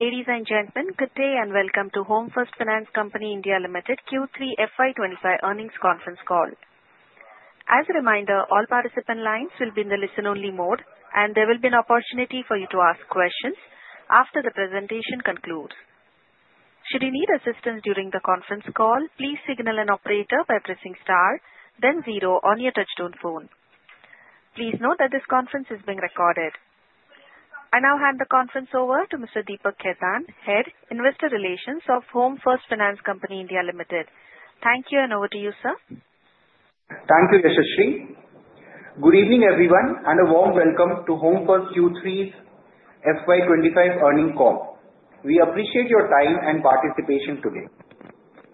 Ladies and gentlemen, good day and welcome to Home First Finance Company India Limited Q3 FY 2025 earnings conference call. As a reminder, all participant lines will be in the listen-only mode, and there will be an opportunity for you to ask questions after the presentation concludes. Should you need assistance during the conference call, please signal an operator by pressing star, then zero on your touch-tone phone. Please note that this conference is being recorded. I now hand the conference over to Mr. Deepak Khetan, Head of Investor Relations of Home First Finance Company India Limited. Thank you, and over to you, sir. Thank you, Yashasri. Good evening, everyone, and a warm welcome to Home First Q3 FY 2025 earnings call. We appreciate your time and participation today.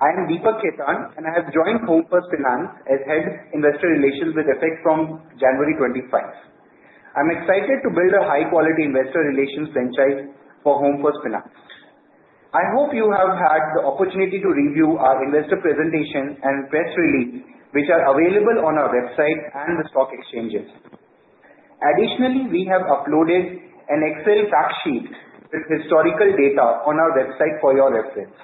I am Deepak Khetan, and I have joined Home First Finance as Head, Investor Relations with effect from January 25. I'm excited to build a high-quality investor relations franchise for Home First Finance. I hope you have had the opportunity to review our investor presentation and press release, which are available on our website and the stock exchanges. Additionally, we have uploaded an Excel fact sheet with historical data on our website for your reference.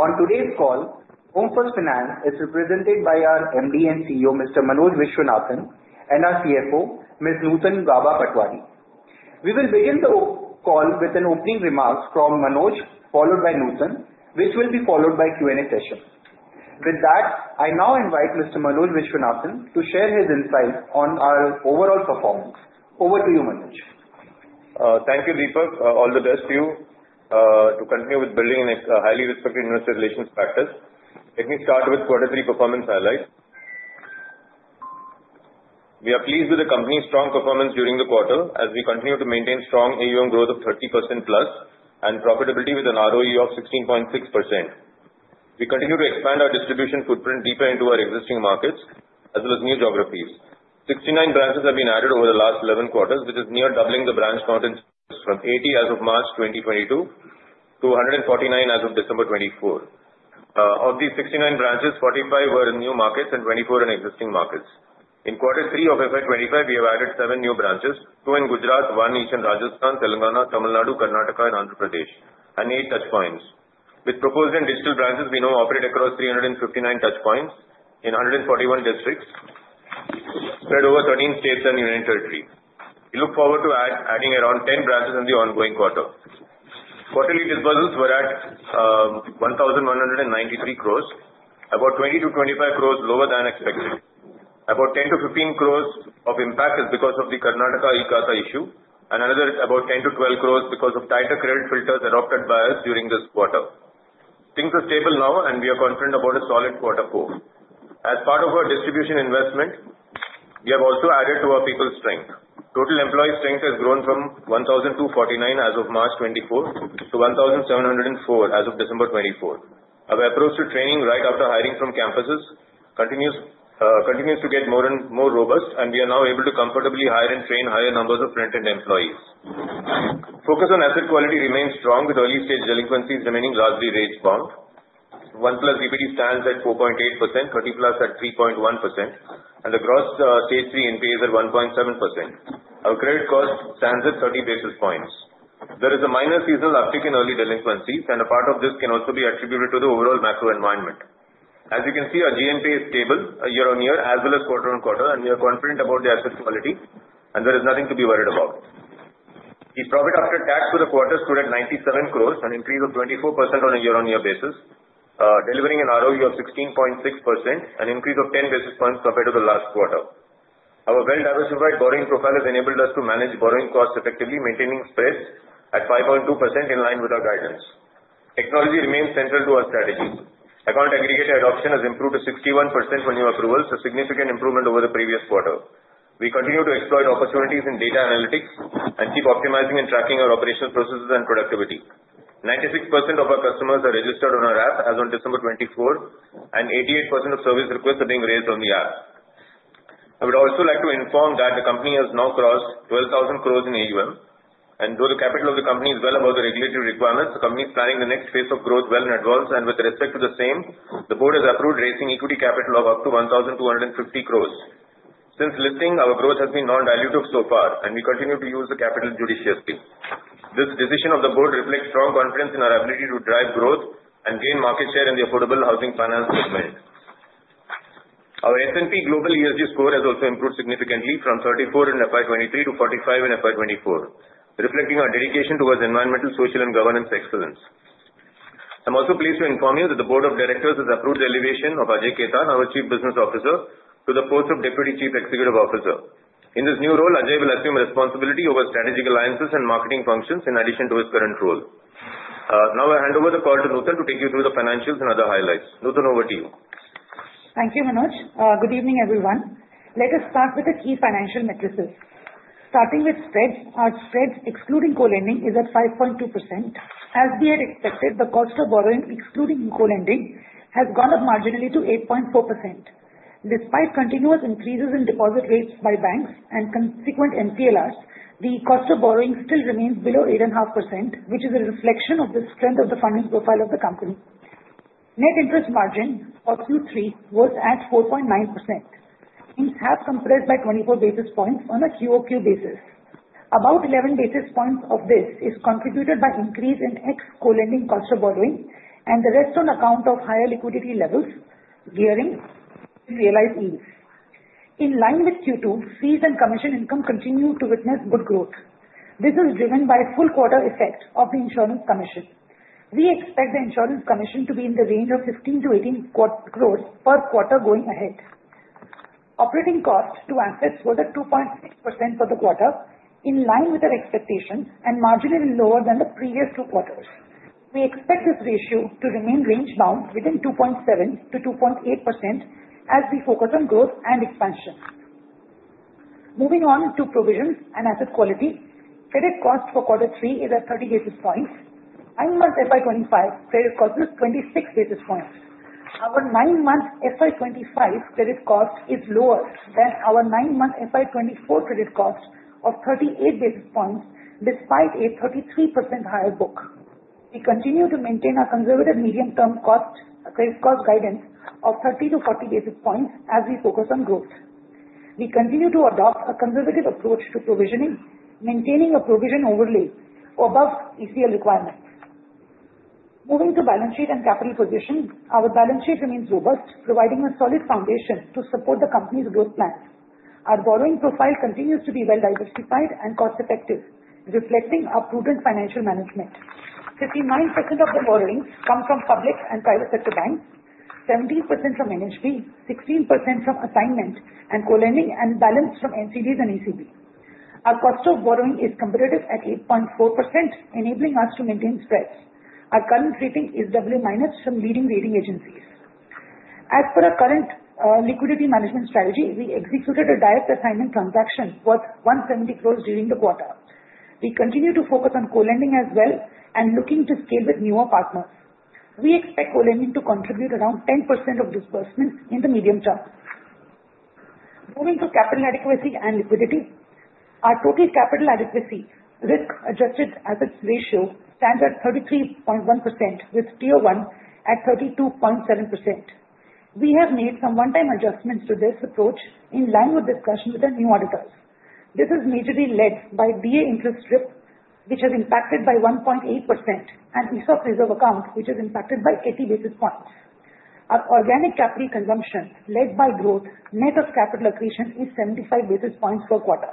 On today's call, Home First Finance is represented by our MD and CEO, Mr. Manoj Viswanathan, and our CFO, Ms. Nutan Gaba Patwari. We will begin the call with an opening remarks from Manoj, followed by Nutan, which will be followed by a Q&A session. With that, I now invite Mr. Manoj Viswanathan to share his insights on our overall performance. Over to you, Manoj. Thank you, Deepak. All the best to you. To continue with building a highly respected investor relations practice, let me start with quarter three performance highlights. We are pleased with the company's strong performance during the quarter, as we continue to maintain strong AUM growth of 30%+ and profitability with an ROE of 16.6%. We continue to expand our distribution footprint deeper into our existing markets, as well as new geographies. 69 branches have been added over the last 11 quarters, which is near doubling the branch count in three years from 80 as of March 2022 to 149 as of December 2024. Of these 69 branches, 45 were in new markets and 24 in existing markets. In quarter three of FY 2025, we have added seven new branches: two in Gujarat, one in Eastern Rajasthan, Telangana, Tamil Nadu, Karnataka, and Andhra Pradesh, and eight touchpoints. With physical and digital branches, we now operate across 359 touchpoints in 141 districts spread over 13 states and union territories. We look forward to adding around 10 branches in the ongoing quarter. Quarterly disbursements were at 1,193 crore, about 20 crore-25 crore lower than expected. About 10 crore-15 crore of impact is because of the Karnataka E-Khata issue, and another about 10 crore-12 crore because of tighter credit filters adopted by us during this quarter. Things are stable now, and we are confident about a solid quarter four. As part of our distribution investment, we have also added to our people strength. Total employee strength has grown from 1,249 as of March 2024 to 1,704 as of December 2024. Our approach to training right after hiring from campuses continues to get more robust, and we are now able to comfortably hire and train higher numbers of frontline employees. Focus on asset quality remains strong, with early-stage delinquencies remaining largely range-bound. 1+ DPD stands at 4.8%, 30+ at 3.1%, and the Gross Stage 3 NPA is at 1.7%. Our credit cost stands at 30 basis points. There is a minor seasonal uptick in early delinquencies, and a part of this can also be attributed to the overall macro environment. As you can see, our GNPA is stable year-on-year, as well as quarter-on-quarter, and we are confident about the asset quality, and there is nothing to be worried about. The profit after tax for the quarter stood at 97 crore, an increase of 24% on a year-on-year basis, delivering an ROE of 16.6%, an increase of 10 basis points compared to the last quarter. Our well-diversified borrowing profile has enabled us to manage borrowing costs effectively, maintaining spreads at 5.2% in line with our guidance. Technology remains central to our strategies. Account Aggregator adoption has improved to 61% for new approvals, a significant improvement over the previous quarter. We continue to exploit opportunities in data analytics and keep optimizing and tracking our operational processes and productivity. 96% of our customers are registered on our app as of December 24, and 88% of service requests are being raised on the app. I would also like to inform that the company has now crossed 12,000 crore in AUM, and though the capital of the company is well above the regulatory requirements, the company is planning the next phase of growth well in advance, and with respect to the same, the board has approved raising equity capital of up to 1,250 crore. Since listing, our growth has been non-dilutive so far, and we continue to use the capital judiciously. This decision of the board reflects strong confidence in our ability to drive growth and gain market share in the affordable housing finance segment. Our S&P Global ESG score has also improved significantly from 34 in FY 2023 to 45 in FY 2024, reflecting our dedication towards environmental, social, and governance excellence. I'm also pleased to inform you that the board of directors has approved the elevation of Ajay Khetan, our Chief Business Officer, to the post of Deputy Chief Executive Officer. In this new role, Ajay will assume responsibility over strategic alliances and marketing functions in addition to his current role. Now I'll hand over the call to Nutan to take you through the financials and other highlights. Nutan, over to you. Thank you, Manoj. Good evening, everyone. Let us start with the key financial metrics. Starting with spreads, our spread excluding co-lending is at 5.2%. As we had expected, the cost of borrowing excluding co-lending has gone up marginally to 8.4%. Despite continuous increases in deposit rates by banks and consequent MCLR, the cost of borrowing still remains below 8.5%, which is a reflection of the strength of the funding profile of the company. Net interest margin for Q3 was at 4.9%. Things have compressed by 24 basis points on a QoQ basis. About 11 basis points of this is contributed by increase in ex-co-lending cost of borrowing and the rest on account of higher liquidity levels, gearing, and realized yields. In line with Q2, fees and commission income continue to witness good growth. This is driven by full quarter effect of the insurance commission. We expect the insurance commission to be in the range of 15 crore-18 crore per quarter going ahead. Operating cost to assets was at 2.6% for the quarter, in line with our expectations, and marginally lower than the previous two quarters. We expect this ratio to remain range-bound within 2.7%-2.8% as we focus on growth and expansion. Moving on to provisions and asset quality, credit cost for quarter three is at 30 basis points. Nine-month FY 2025 credit cost is 26 basis points. Our nine-month FY 2025 credit cost is lower than our nine-month FY 2024 credit cost of 38 basis points, despite a 33% higher book. We continue to maintain a conservative medium-term credit cost guidance of 30-40 basis points as we focus on growth. We continue to adopt a conservative approach to provisioning, maintaining a provision overlay above ECL requirements. Moving to balance sheet and capital position, our balance sheet remains robust, providing a solid foundation to support the company's growth plan. Our borrowing profile continues to be well-diversified and cost-effective, reflecting our prudent financial management. 59% of the borrowings come from public and private sector banks, 17% from NHB, 16% from assignment and co-lending, and balance from NBFCs and ECB. Our cost of borrowing is competitive at 8.4%, enabling us to maintain spreads. Our current rating is AA- from leading rating agencies. As per our current liquidity management strategy, we executed a direct assignment transaction worth 170 crore during the quarter. We continue to focus on co-lending as well and looking to scale with newer partners. We expect co-lending to contribute around 10% of disbursements in the medium term. Moving to capital adequacy and liquidity, our total capital adequacy risk-adjusted assets ratio stands at 33.1%, with Tier 1 at 32.7%. We have made some one-time adjustments to this approach in line with discussion with our new auditors. This is majorly led by DA interest drift, which is impacted by 1.8%, and ESOP reserve account, which is impacted by 80 basis points. Our organic capital consumption, led by growth, net of capital accretion, is 75 basis points per quarter.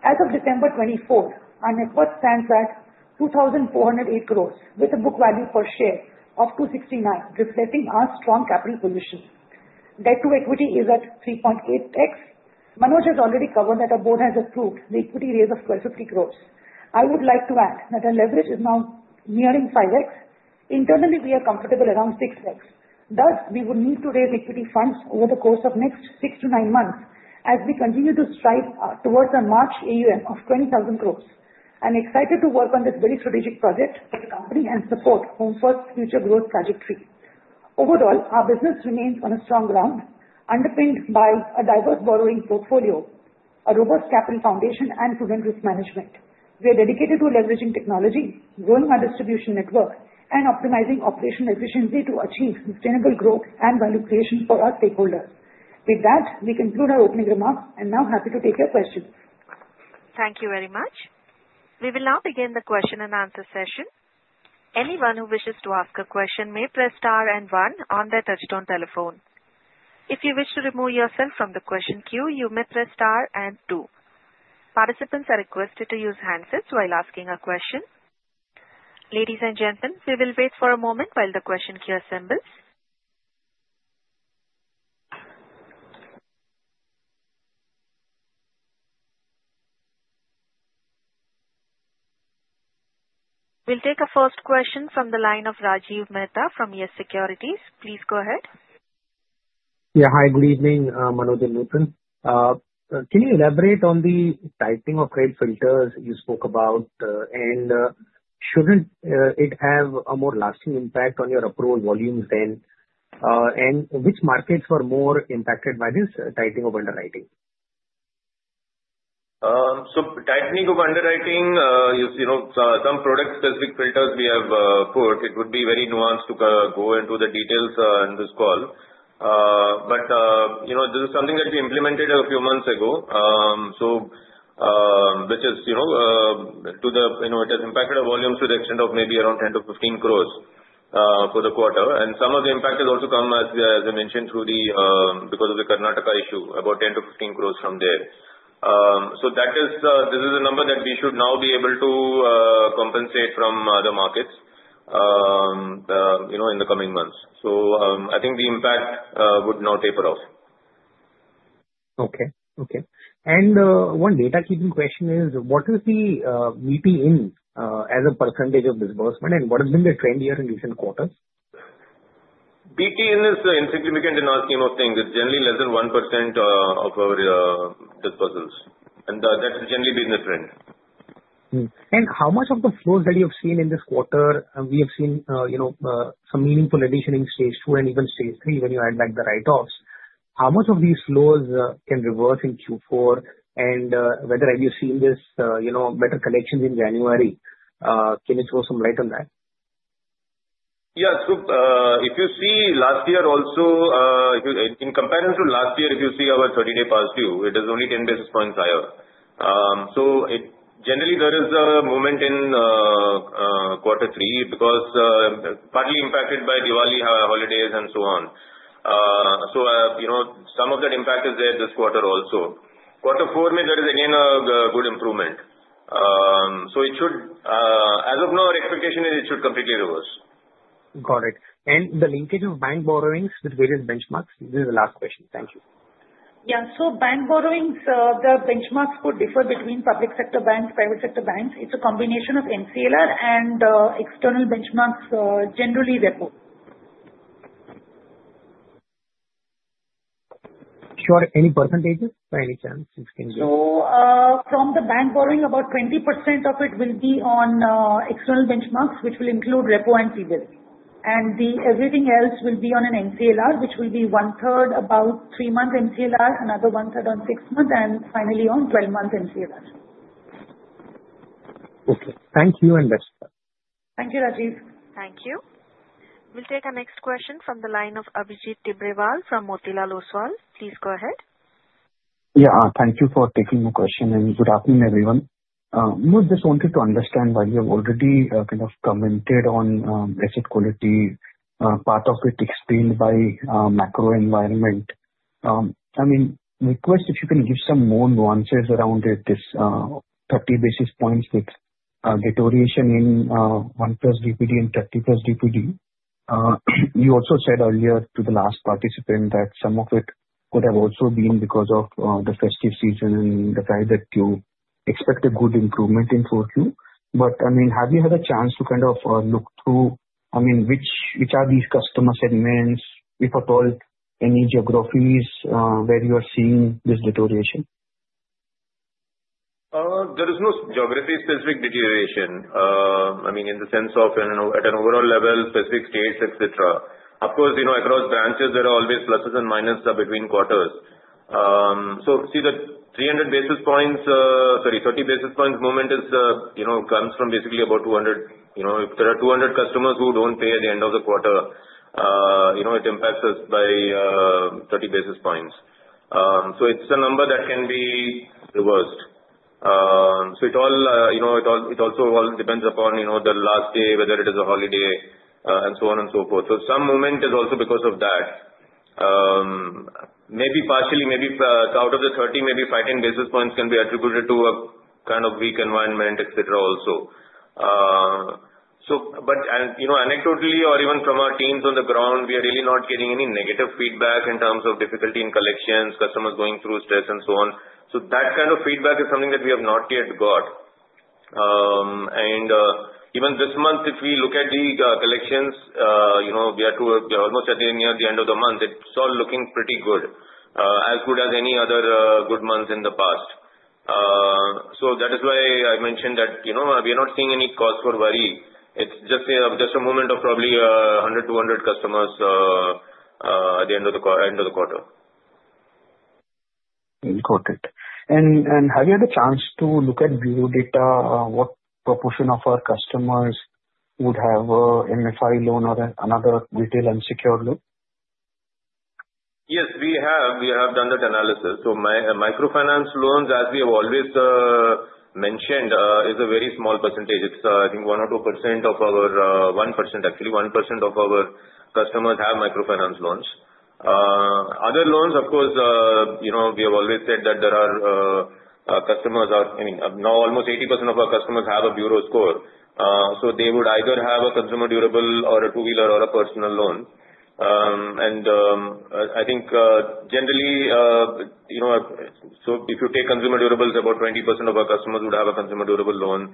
As of December 24, our net worth stands at 2,408 crore, with a book value per share of 269, reflecting our strong capital position. Debt to equity is at 3.8x. Manoj has already covered that our board has approved the equity raise of 1,250 crore. I would like to add that our leverage is now nearing 5x. Internally, we are comfortable around 6x. Thus, we would need to raise equity funds over the course of the next six to nine months as we continue to strive towards a March AUM of 20,000 crore. I'm excited to work on this very strategic project at the company and support Home First's future growth trajectory. Overall, our business remains on a strong ground, underpinned by a diverse borrowing portfolio, a robust capital foundation, and prudent risk management. We are dedicated to leveraging technology, growing our distribution network, and optimizing operational efficiency to achieve sustainable growth and value creation for our stakeholders. With that, we conclude our opening remarks, and now happy to take your questions. Thank you very much. We will now begin the question and answer session. Anyone who wishes to ask a question may press star and one on their touch-tone telephone. If you wish to remove yourself from the question queue, you may press star and two. Participants are requested to use handsets while asking a question. Ladies and gentlemen, we will wait for a moment while the question queue assembles. We'll take a first question from the line of Rajiv Mehta from YES Securities. Please go ahead. Yeah, hi. Good evening, Manoj and Nutan. Can you elaborate on the tightening of credit filters you spoke about, and shouldn't it have a more lasting impact on your approval volumes than? And which markets were more impacted by this tightening of underwriting? Tightening of underwriting, some product-specific filters we have put. It would be very nuanced to go into the details in this call. But this is something that we implemented a few months ago, which is that it has impacted our volumes to the extent of maybe around 10 crore-15 crore for the quarter. And some of the impact has also come, as I mentioned, through because of the Karnataka issue, about 10 crore-15 crore from there. So this is a number that we should now be able to compensate from the markets in the coming months. So I think the impact would now taper off. Okay. Okay. One housekeeping question is, what is the BT-in as a percentage of disbursement, and what has been the trend here in recent quarters? BT-in is insignificant in all scheme of things. It's generally less than 1% of our disbursals, and that's generally been the trend. And how much of the flows that you have seen in this quarter, we have seen some meaningful addition in stage two and even stage three when you add back the write-offs. How much of these flows can reverse in Q4, and whether have you seen this better collections in January? Can you throw some light on that? Yeah. So if you see last year also, in comparison to last year, if you see our 30-day past due, it is only 10 basis points higher. So generally, there is a moment in quarter three because partly impacted by Diwali holidays and so on. So some of that impact is there this quarter also. Quarter four, there is again a good improvement. So it should, as of now, our expectation is it should completely reverse. Got it. And the linkage of bank borrowings with various benchmarks? This is the last question. Thank you. Yeah. So bank borrowings, the benchmarks could differ between public sector banks, private sector banks. It's a combination of MCLR and external benchmarks, generally repo rate. Sure. Any percentages by any chance? From the bank borrowing, about 20% of it will be on external benchmarks, which will include repo and T-bill, and everything else will be on an MCLR, which will be 1/3 about three-month MCLR, another 1/3 on six-month, and finally on 12-month MCLR. Okay. Thank you and best of luck. Thank you, Rajiv. Thank you. We'll take a next question from the line of Abhijit Tibrewal from Motilal Oswal. Please go ahead. Yeah. Thank you for taking the question, and good afternoon, everyone. Just wanted to understand why you have already kind of commented on asset quality, part of it explained by macro environment. I mean, request if you can give some more nuances around this 30 basis points with deterioration in 1+ DPD and 30+ DPD. You also said earlier to the last participant that some of it could have also been because of the festive season and the fact that you expect a good improvement in Q2. But I mean, have you had a chance to kind of look through, I mean, which are these customer segments? If at all, any geographies where you are seeing this deterioration? There is no geography-specific deterioration. I mean, in the sense of at an overall level, specific states, etc. Of course, across branches, there are always pluses and minuses between quarters, so see that 300 basis points, sorry, 30 basis points movement comes from basically about 200. If there are 200 customers who don't pay at the end of the quarter, it impacts us by 30 basis points, so it's a number that can be reversed. So it also all depends upon the last day, whether it is a holiday and so on and so forth, so some movement is also because of that. Maybe partially, maybe out of the 30, maybe five, 10 basis points can be attributed to a kind of weak environment, etc., also. But anecdotally or even from our teams on the ground, we are really not getting any negative feedback in terms of difficulty in collections, customers going through stress, and so on. So that kind of feedback is something that we have not yet got. And even this month, if we look at the collections, we are almost at the end of the month. It's all looking pretty good, as good as any other good months in the past. So that is why I mentioned that we are not seeing any cause for worry. It's just a moment of probably 100, 200 customers at the end of the quarter. Got it. And have you had a chance to look at bureau data? What proportion of our customers would have an MFI loan or another retail unsecured loan? Yes, we have. We have done that analysis. So microfinance loans, as we have always mentioned, is a very small percentage. It's, I think, 1% or 2% of our 1%, actually. 1% of our customers have microfinance loans. Other loans, of course, we have always said that our customers are, I mean, now almost 80% of our customers have a Bureau score. So they would either have a consumer durable or a two-wheeler or a personal loan. And I think generally, so if you take consumer durables, about 20% of our customers would have a consumer durable loan.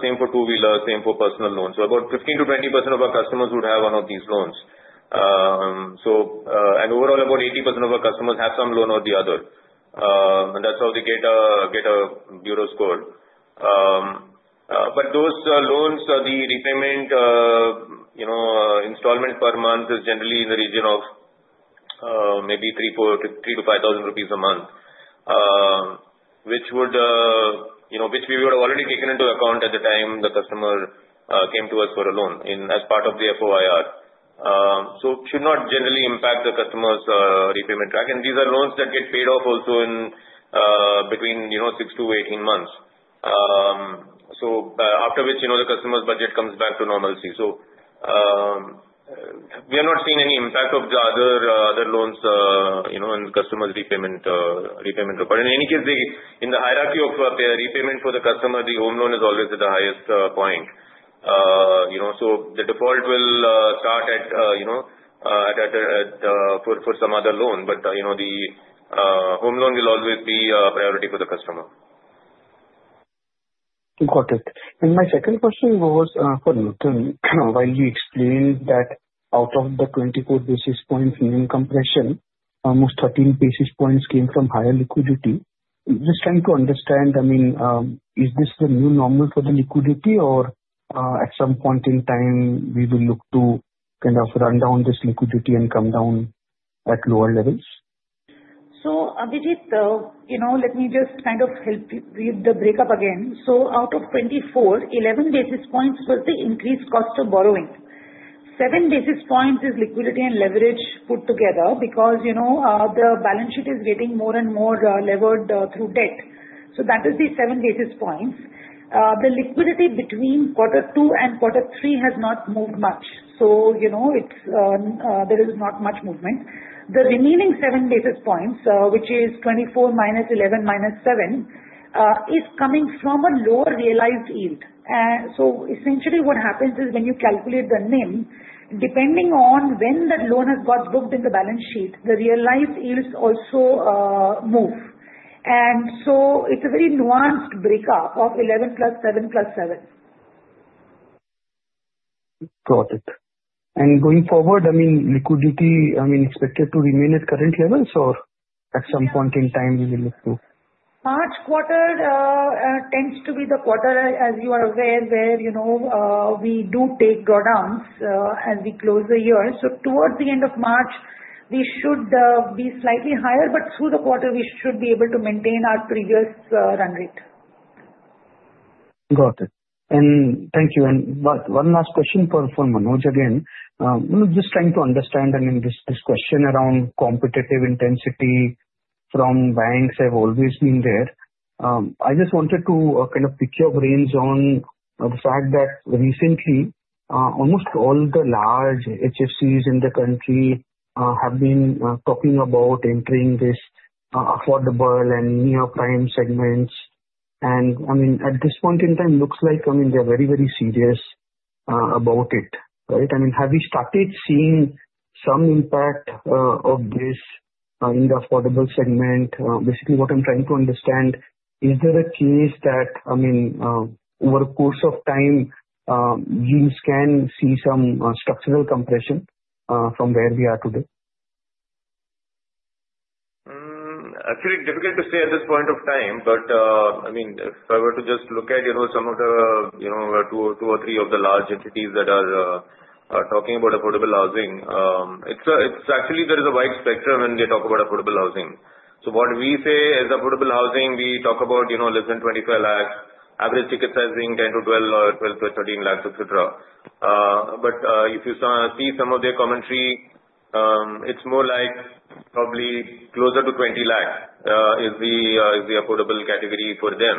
Same for two-wheelers, same for personal loans. So about 15%-20% of our customers would have one of these loans. And overall, about 80% of our customers have some loan or the other. And that's how they get a Bureau score. But those loans, the repayment installment per month is generally in the region of maybe 3,000-5,000 rupees a month, which we would have already taken into account at the time the customer came to us for a loan as part of the FOIR. So it should not generally impact the customer's repayment track. And these are loans that get paid off also in between 6-18 months, after which the customer's budget comes back to normalcy. So we are not seeing any impact of the other loans in the customer's repayment report. In any case, in the hierarchy of repayment for the customer, the home loan is always at the highest point. So the default will start for some other loan, but the home loan will always be a priority for the customer. Got it. And my second question was for Nutan, while you explained that out of the 24 basis points minimum compression, almost 13 basis points came from higher liquidity. Just trying to understand, I mean, is this the new normal for the liquidity, or at some point in time, we will look to kind of run down this liquidity and come down at lower levels? Abhijit, let me just kind of help you read the breakup again. Out of 24, 11 basis points was the increased cost of borrowing. 7 basis points is liquidity and leverage put together because the balance sheet is getting more and more levered through debt. So that is the 7 basis points. The liquidity between quarter two and quarter three has not moved much. So there is not much movement. The remaining 7 basis points, which is 24- 11-7, is coming from a lower realized yield. So essentially, what happens is when you calculate the NIM, depending on when the loan has got booked in the balance sheet, the realized yields also move. And so it's a very nuanced breakup of 11+ 7+ 7. Got it. Going forward, I mean, liquidity, I mean, expected to remain at current levels, or at some point in time, we will look to? March quarter tends to be the quarter, as you are aware, where we do take drawdowns as we close the year. So towards the end of March, we should be slightly higher, but through the quarter, we should be able to maintain our previous run rate. Got it. And thank you. And one last question for Manoj again. Just trying to understand, I mean, this question around competitive intensity from banks has always been there. I just wanted to kind of pick your brains on the fact that recently, almost all the large HFCs in the country have been talking about entering this affordable and near-prime segments. And I mean, at this point in time, it looks like, I mean, they're very, very serious about it, right? I mean, have we started seeing some impact of this in the affordable segment? Basically, what I'm trying to understand is there a case that, I mean, over a course of time, we can see some structural compression from where we are today? Actually, difficult to say at this point of time, but I mean, if I were to just look at some of the two or three of the large entities that are talking about affordable housing, it's actually there is a wide spectrum when they talk about affordable housing. So what we say is affordable housing, we talk about less than 25 lakh. Average ticket size being 10 lakh-12 lakh, 12 lakh-13 lakh, etc. But if you see some of their commentary, it's more like probably closer to 20 lakh is the affordable category for them.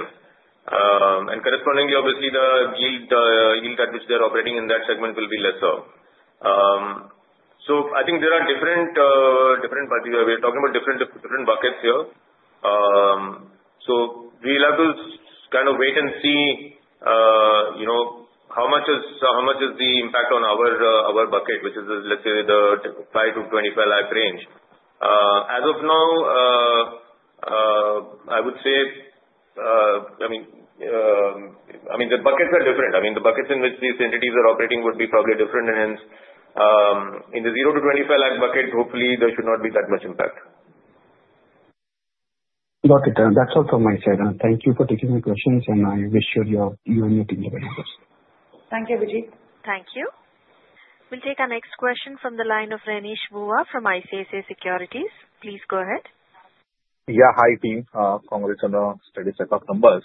And correspondingly, obviously, the yield at which they're operating in that segment will be lesser. So I think there are different we're talking about different buckets here. So we'll have to kind of wait and see how much is the impact on our bucket, which is, let's say, the 5 lakh-25 lakh range. As of now, I would say, I mean, the buckets are different. I mean, the buckets in which these entities are operating would be probably different. And in the 0 lakh-25 lakh bucket, hopefully, there should not be that much impact. Got it. That's all from my side. Thank you for taking my questions, and I wish you and your team the very best. Thank you, Abhijit. Thank you. We'll take our next question from the line of Renish Bhuva from ICICI Securities. Please go ahead. Yeah. Hi, team. Congrats on the steady set of numbers.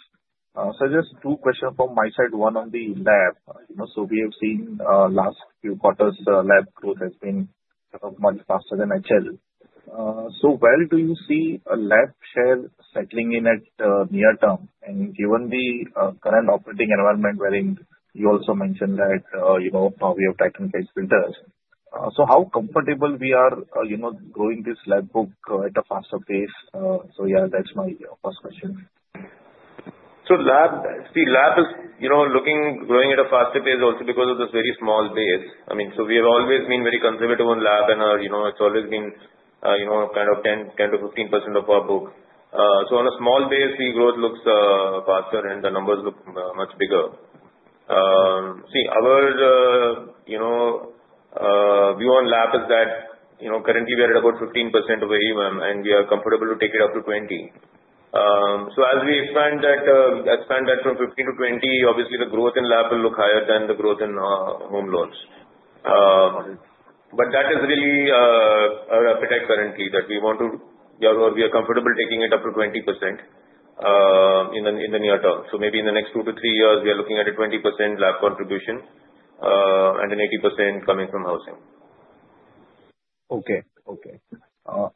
So just two questions from my side. One on the LAP. So we have seen last few quarters, LAP growth has been much faster than HL. So where do you see a LAP share settling in at near term? And given the current operating environment, wherein you also mentioned that we have tightened case filters, so how comfortable we are growing this LAP book at a faster pace? So yeah, that's my first question. See, LAP is growing at a faster pace also because of this very small base. I mean, so we have always been very conservative on LAP, and it's always been kind of 10%-15% of our book. So on a small base, the growth looks faster, and the numbers look much bigger. See, our view on LAP is that currently, we are at about 15% AUM, and we are comfortable to take it up to 20%. So as we expand that from 15%-20%, obviously, the growth in LAP will look higher than the growth in home loans. But that is really our appetite currently, that we want to be comfortable taking it up to 20% in the near term. So maybe in the next two to three years, we are looking at a 20% LAP contribution and an 80% coming from housing. Okay.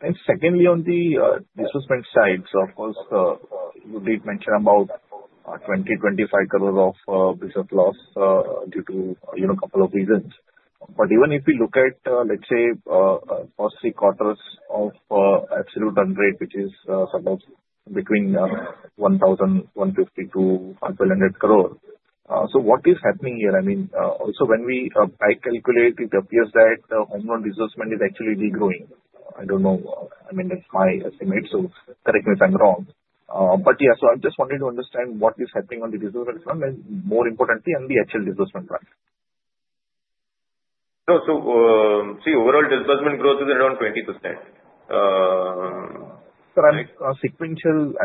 And secondly, on the disbursement side, so of course, you did mention about 20 crore- 25 crore of business loss due to a couple of reasons. But even if we look at, let's say, first three quarters of absolute run rate, which is somewhere between 1,150 crore-1,200 crore, so what is happening here? I mean, also when I calculate, it appears that home loan disbursement is actually degrowing. I don't know. I mean, that's my estimate. So correct me if I'm wrong. But yeah, so I just wanted to understand what is happening on the disbursement front and, more importantly, on the HL disbursement front. See, overall disbursement growth is around 20%. I'm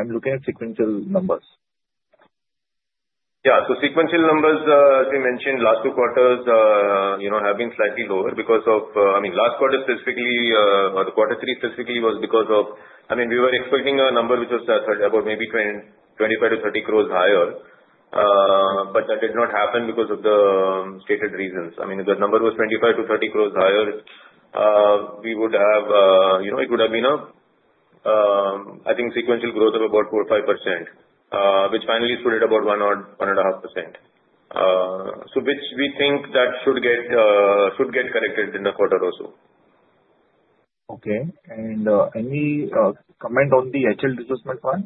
looking at sequential numbers. Yeah. So sequential numbers, as we mentioned, last two quarters have been slightly lower because of I mean, last quarter specifically, or quarter three specifically, was because of I mean, we were expecting a number which was about maybe 25 crore-30 crore higher, but that did not happen because of the stated reasons. I mean, if the number was 25 crore-30 crore higher, we would have, it would have been a, I think, sequential growth of about 4%-5%, which finally stood at about 1% or 1.5%, which we think that should get corrected in the quarter also. Okay. And any comment on the HL disbursement front?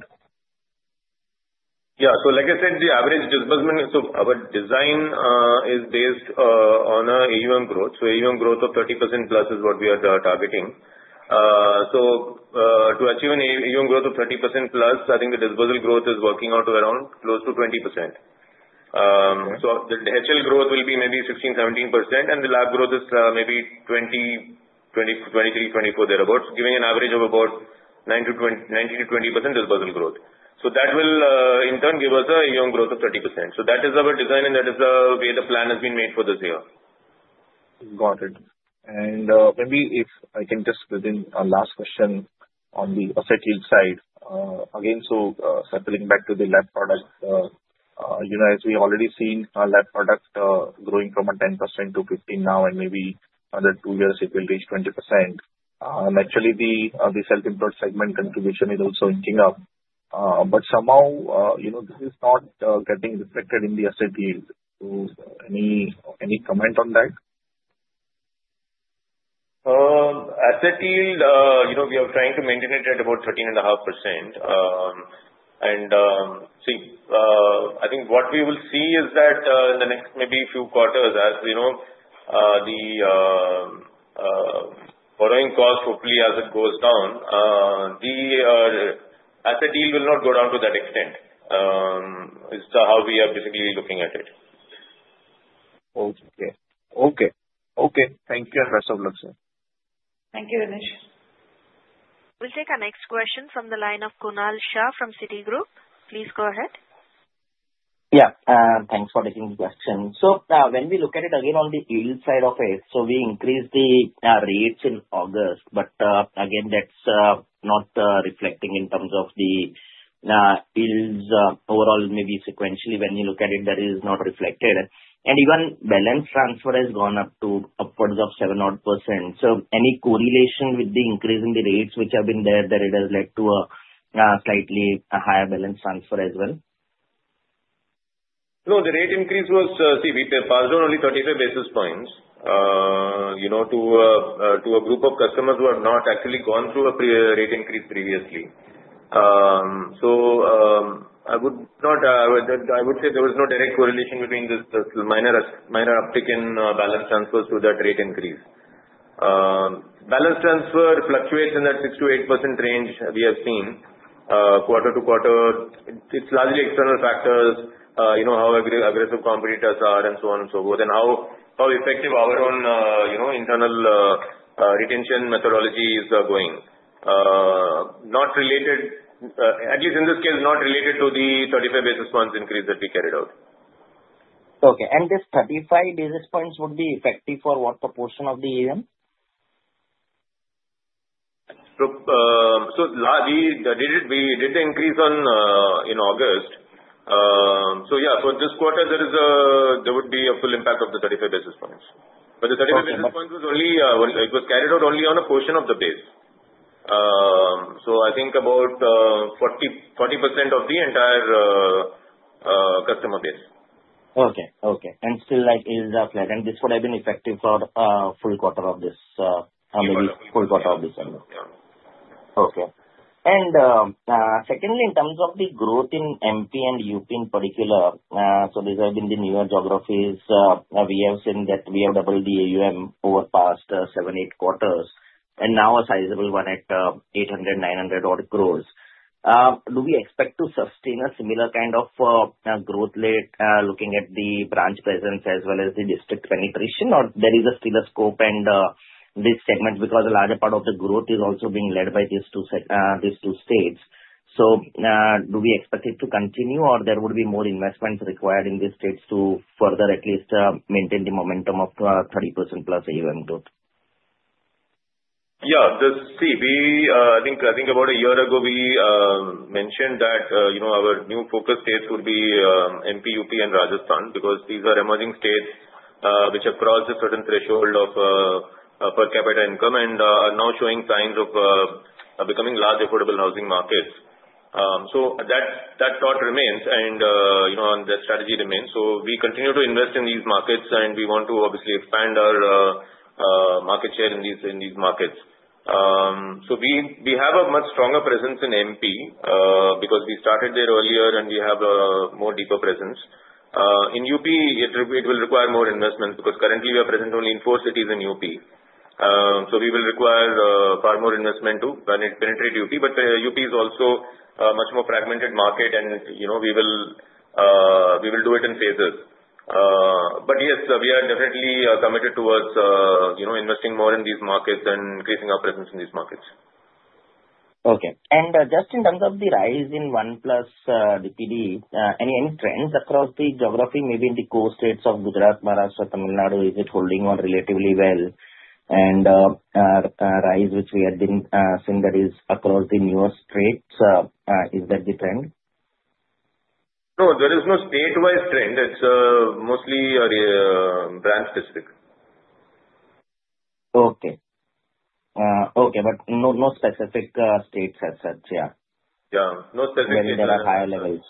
Yeah. So like I said, the average disbursement so our design is based on an AUM growth. So AUM growth of 30%+ is what we are targeting. So to achieve an AUM growth of 30%+, I think the disbursement growth is working out to around close to 20%. So the HL growth will be maybe 16%-17%, and the LAP growth is maybe 20%, 23%, 24% thereabouts, giving an average of about 19%-20% disbursement growth. So that will, in turn, give us an AUM growth of 30%. So that is our design, and that is the way the plan has been made for this year. Got it. And maybe if I can just within our last question on the asset yield side, again, so circling back to the LAP product, as we've already seen our LAP product growing from 10%-15% now, and maybe another two years, it will reach 20%. And actually, the self-employed segment contribution is also inching up. But somehow, this is not getting reflected in the asset yield. So any comment on that? Asset yield, we are trying to maintain it at about 13.5%. And see, I think what we will see is that in the next maybe few quarters, as the borrowing cost, hopefully, as it goes down, the asset yield will not go down to that extent. It's how we are basically looking at it. Okay. Thank you, and best of luck, sir. Thank you, Renish. We'll take our next question from the line of Kunal Shah from Citigroup. Please go ahead. Yeah. Thanks for taking the question. So when we look at it again on the yield side of it, so we increased the rates in August, but again, that's not reflecting in terms of the yields overall. Maybe sequentially, when you look at it, that is not reflected. And even balance transfer has gone up to upwards of seven-odd percent. So any correlation with the increase in the rates which have been there, that it has led to a slightly higher balance transfer as well? No, the rate increase was. We passed down only 35 basis points to a group of customers who have not actually gone through a rate increase previously. So I would say there was no direct correlation between this minor uptick in balance transfers to that rate increase. Balance transfer fluctuates in that 6%-8% range we have seen quarter to quarter. It's largely external factors, how aggressive competitors are, and so on and so forth, and how effective our own internal retention methodology is going. Not related, at least in this case, not related to the 35 basis points increase that we carried out. Okay, and this 35 basis points would be effective for what proportion of the AUM? So we did the increase in August. So yeah, for this quarter, there would be a full impact of the 35 basis points. But the 35 basis points was only carried out only on a portion of the base. So I think about 40% of the entire customer base. Okay. And still, that is the flat. And this would have been effective for full quarter of this year. Okay. And secondly, in terms of the growth in MP and UP in particular, so these have been the newer geographies. We have seen that we have doubled the AUM over past seven, eight quarters, and now a sizable one at 800-900 odd crore. Do we expect to sustain a similar kind of growth rate, looking at the branch presence as well as the district penetration, or there is still a scope in this segment because a larger part of the growth is also being led by these two states? So do we expect it to continue, or there would be more investments required in these states to further at least maintain the momentum of 30%+ AUM growth? Yeah. See, I think about a year ago, we mentioned that our new focus states would be MP, UP, and Rajasthan because these are emerging states which have crossed a certain threshold of per capita income and are now showing signs of becoming large affordable housing markets. So that thought remains, and the strategy remains. So we continue to invest in these markets, and we want to obviously expand our market share in these markets. So we have a much stronger presence in MP because we started there earlier, and we have a more deeper presence. In UP, it will require more investment because currently, we are present only in four cities in UP. So we will require far more investment to penetrate UP. But UP is also a much more fragmented market, and we will do it in phases. Yes, we are definitely committed towards investing more in these markets and increasing our presence in these markets. Okay. And just in terms of the rise in 1+ DPD, any trends across the geography, maybe in the coastal states of Gujarat, Maharashtra, Tamil Nadu, is it holding on relatively well? And the rise which we have been seeing that is across the newer states, is that the trend? No, there is no statewide trend. It's mostly branch-specific. Okay. Okay. But no specific states as such, yeah? Yeah. No specific states. Maybe there are higher levels.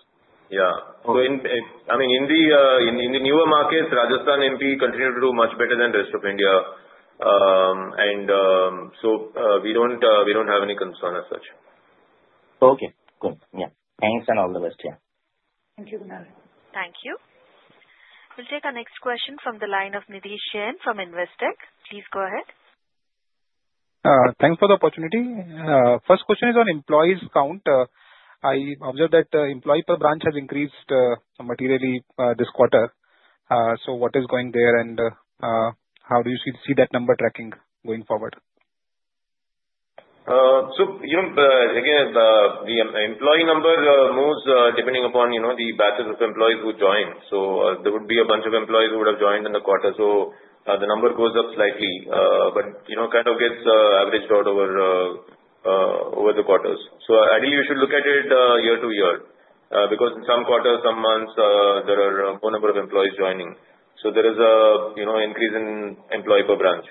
Yeah. So I mean, in the newer markets, Rajasthan, MP continue to do much better than the rest of India, and so we don't have any concern as such. Okay. Cool. Yeah. Thanks and all the best. Yeah. Thank you, Kunal. Thank you. We'll take our next question from the line of Nidhesh Jain from Investec. Please go ahead. Thanks for the opportunity. First question is on employee count. I observed that employee per branch has increased materially this quarter. So what's going on there, and how do you see that number tracking going forward? Again, the employee number moves depending upon the batches of employees who join. There would be a bunch of employees who would have joined in the quarter. The number goes up slightly but kind of gets averaged out over the quarters. Ideally, we should look at it year to year because in some quarters, some months, there are more number of employees joining. There is an increase in employee per branch.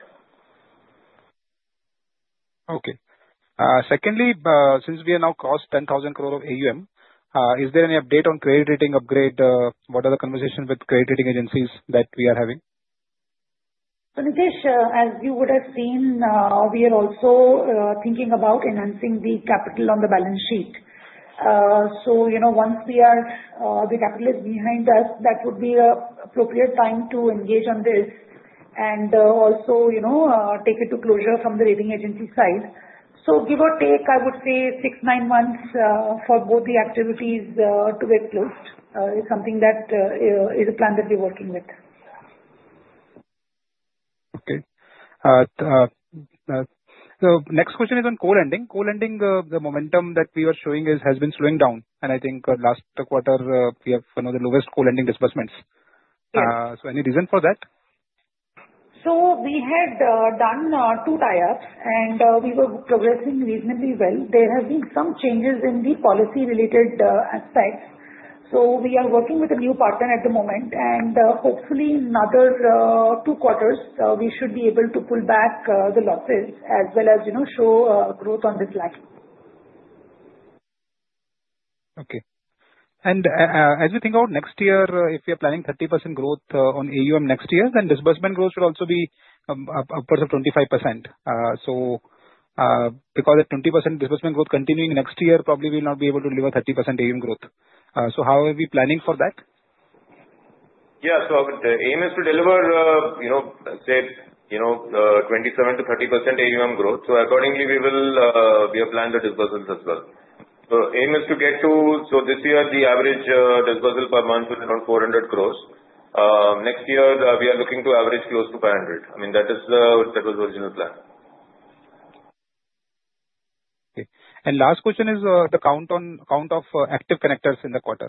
Okay. Secondly, since we have now crossed 10,000 crore of AUM, is there any update on credit rating upgrade? What are the conversations with credit rating agencies that we are having? Nidhesh, as you would have seen, we are also thinking about enhancing the capital on the balance sheet. Once the capital is behind us, that would be an appropriate time to engage on this and also take it to closure from the rating agency side. Give or take, I would say, six, nine months for both the activities to get closed. It's something that is a plan that we're working with. Okay, so next question is on co-lending. Co-lending, the momentum that we are showing has been slowing down, and I think last quarter, we have one of the lowest co-lending disbursements, so any reason for that? So we had done two tier ups, and we were progressing reasonably well. There have been some changes in the policy-related aspects. So we are working with a new partner at the moment. And hopefully, in another two quarters, we should be able to pull back the losses as well as show growth on this line. Okay. And as we think about next year, if we are planning 30% growth on AUM next year, then disbursement growth should also be upwards of 25%. So because the 20% disbursement growth continuing next year, probably we will not be able to deliver 30% AUM growth. So how are we planning for that? Yeah. So the aim is to deliver, say, 27%-30% AUM growth. So accordingly, we will plan the disbursals as well. The aim is to get to so this year, the average disbursal per month was around 400 crore. Next year, we are looking to average close to 500 crore. I mean, that was the original plan. Okay. And last question is the count of active connectors in the quarter.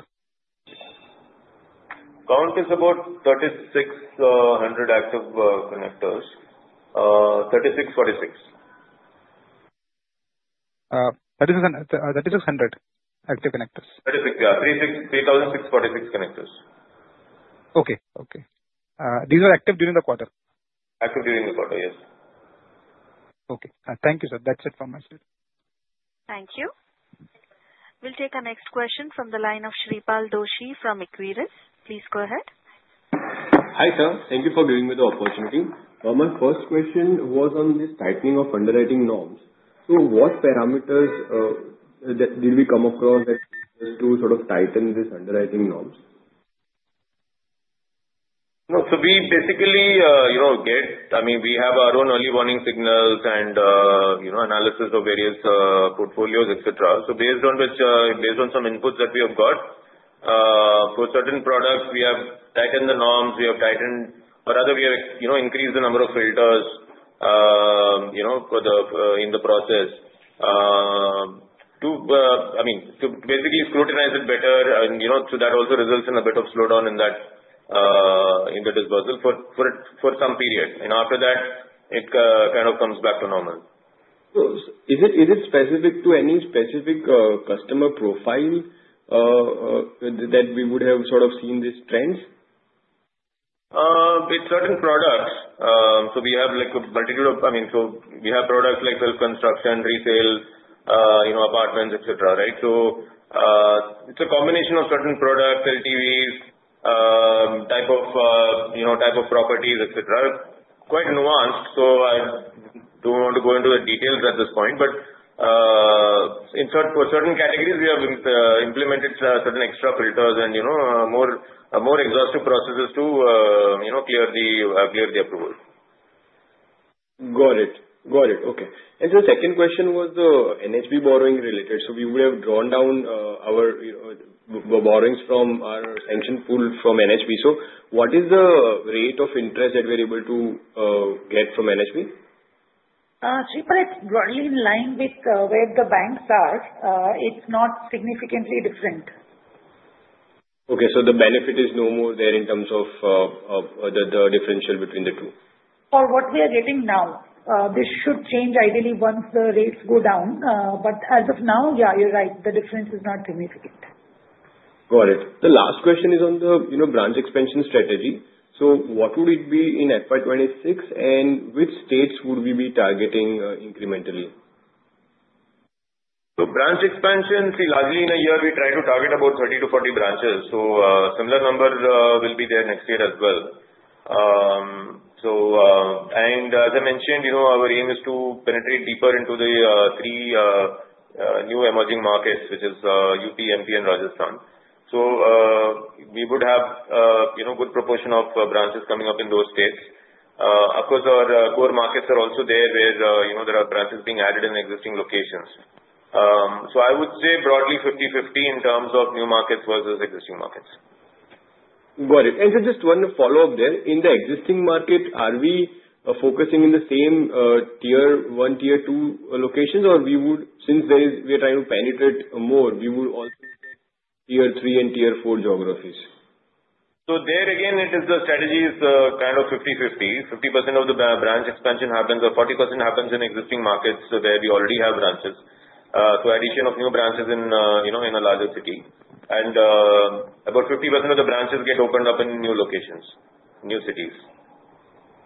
Count is about 3,600 active connectors. 3,646. 3,600 active connectors. 3,646 connectors. Okay. These were active during the quarter? Active during the quarter, yes. Okay. Thank you, sir. That's it from my side. Thank you. We'll take our next question from the line of Shreepal Doshi from Equirus. Please go ahead. Hi sir. Thank you for giving me the opportunity. My first question was on this tightening of underwriting norms. So what parameters did we come across as to sort of tighten these underwriting norms? So we basically get, I mean, we have our own early warning signals and analysis of various portfolios, etc. So based on some inputs that we have got for certain products, we have tightened the norms. We have tightened, or rather, we have increased the number of filters in the process to basically scrutinize it better, and so that also results in a bit of slowdown in the disbursal for some period, and after that, it kind of comes back to normal. So is it specific to any specific customer profile that we would have sort of seen these trends? With certain products. So we have a multitude of. I mean, so we have products like construction, retail, apartments, etc., right? So it's a combination of certain products, LTVs, type of properties, etc. Quite nuanced. So I don't want to go into the details at this point. But for certain categories, we have implemented certain extra filters and more exhaustive processes to clear the approval. Got it. Got it. Okay. And the second question was the NHB borrowing related. So we would have drawn down our borrowings from our sanctioned pool from NHB. So what is the rate of interest that we are able to get from NHB? See, but it's broadly in line with where the banks are. It's not significantly different. Okay. So the benefit is no more there in terms of the differential between the two? For what we are getting now, this should change ideally once the rates go down. But as of now, yeah, you're right. The difference is not significant. Got it. The last question is on the branch expansion strategy. So what would it be in FY 2026, and which states would we be targeting incrementally? So, branch expansion, see, largely in a year, we try to target about 30-40 branches. So, a similar number will be there next year as well. And as I mentioned, our aim is to penetrate deeper into the three new emerging markets, which is UP, MP, and Rajasthan. So, we would have a good proportion of branches coming up in those states. Of course, our core markets are also there where there are branches being added in existing locations. So, I would say broadly 50/50 in terms of new markets versus existing markets. Got it. And so just one follow-up there. In the existing market, are we focusing in the same tier one, tier two locations, or since we are trying to penetrate more, we would also look at tier three and tier four geographies? There again, the strategy is kind of 50/50. 50% of the branch expansion happens, or 40% happens in existing markets where we already have branches. Addition of new branches in a larger city. About 50% of the branches get opened up in new locations, new cities.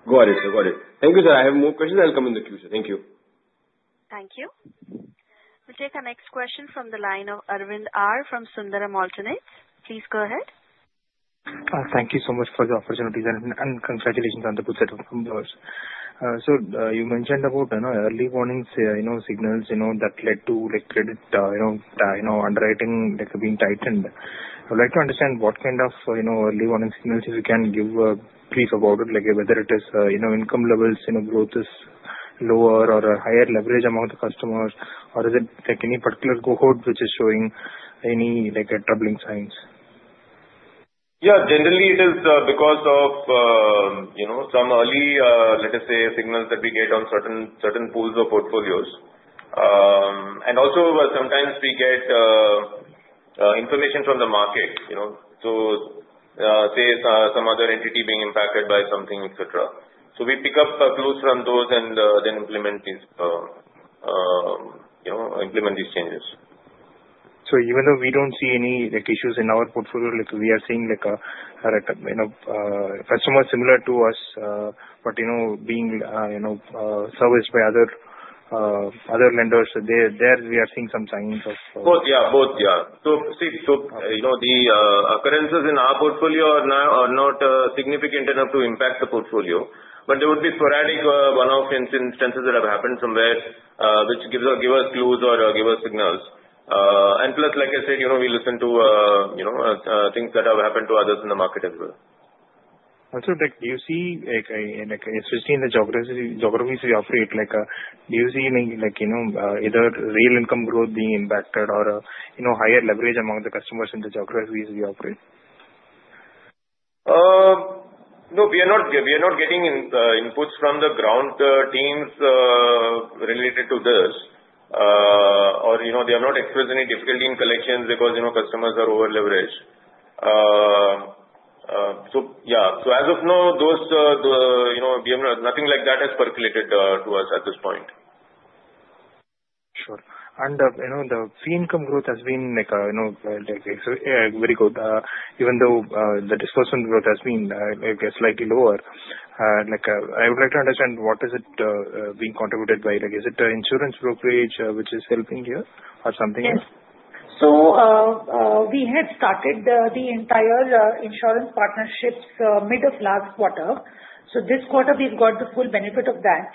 Got it. Got it. Thank you, sir. I have more questions. I'll come in the Q. Thank you. Thank you. We'll take our next question from the line of Arvind R. from Sundaram Alternates. Please go ahead. Thank you so much for the opportunities, and congratulations on the strong book. So you mentioned about early warning signals that led to credit underwriting being tightened. I'd like to understand what kind of early warning signals you can give brief about it, whether it is income levels, growth is lower, or a higher leverage among the customers, or is it any particular cohort which is showing any troubling signs? Yeah. Generally, it is because of some early, let us say, signals that we get on certain pools of portfolios. And also, sometimes we get information from the market. So, say some other entity being impacted by something, etc. So we pick up clues from those and then implement these changes. So even though we don't see any issues in our portfolio, we are seeing a customer similar to us, but being serviced by other lenders, there we are seeing some signs of. Both, yeah, so see, the occurrences in our portfolio are not significant enough to impact the portfolio, but there would be sporadic one-off instances that have happened somewhere which give us clues or give us signals, and plus, like I said, we listen to things that have happened to others in the market as well. Also, do you see especially in the geographies we operate, do you see either real income growth being impacted or higher leverage among the customers in the geographies we operate? No, we are not getting inputs from the ground teams related to this, or they are not experiencing any difficulty in collections because customers are over-leveraged, so yeah, so as of now, nothing like that has percolated to us at this point. Sure. The fee income growth has been very good, even though the disbursement growth has been slightly lower. I would like to understand what is it being contributed by. Is it insurance brokerage which is helping here or something else? So we had started the entire insurance partnerships mid of last quarter. So this quarter, we've got the full benefit of that.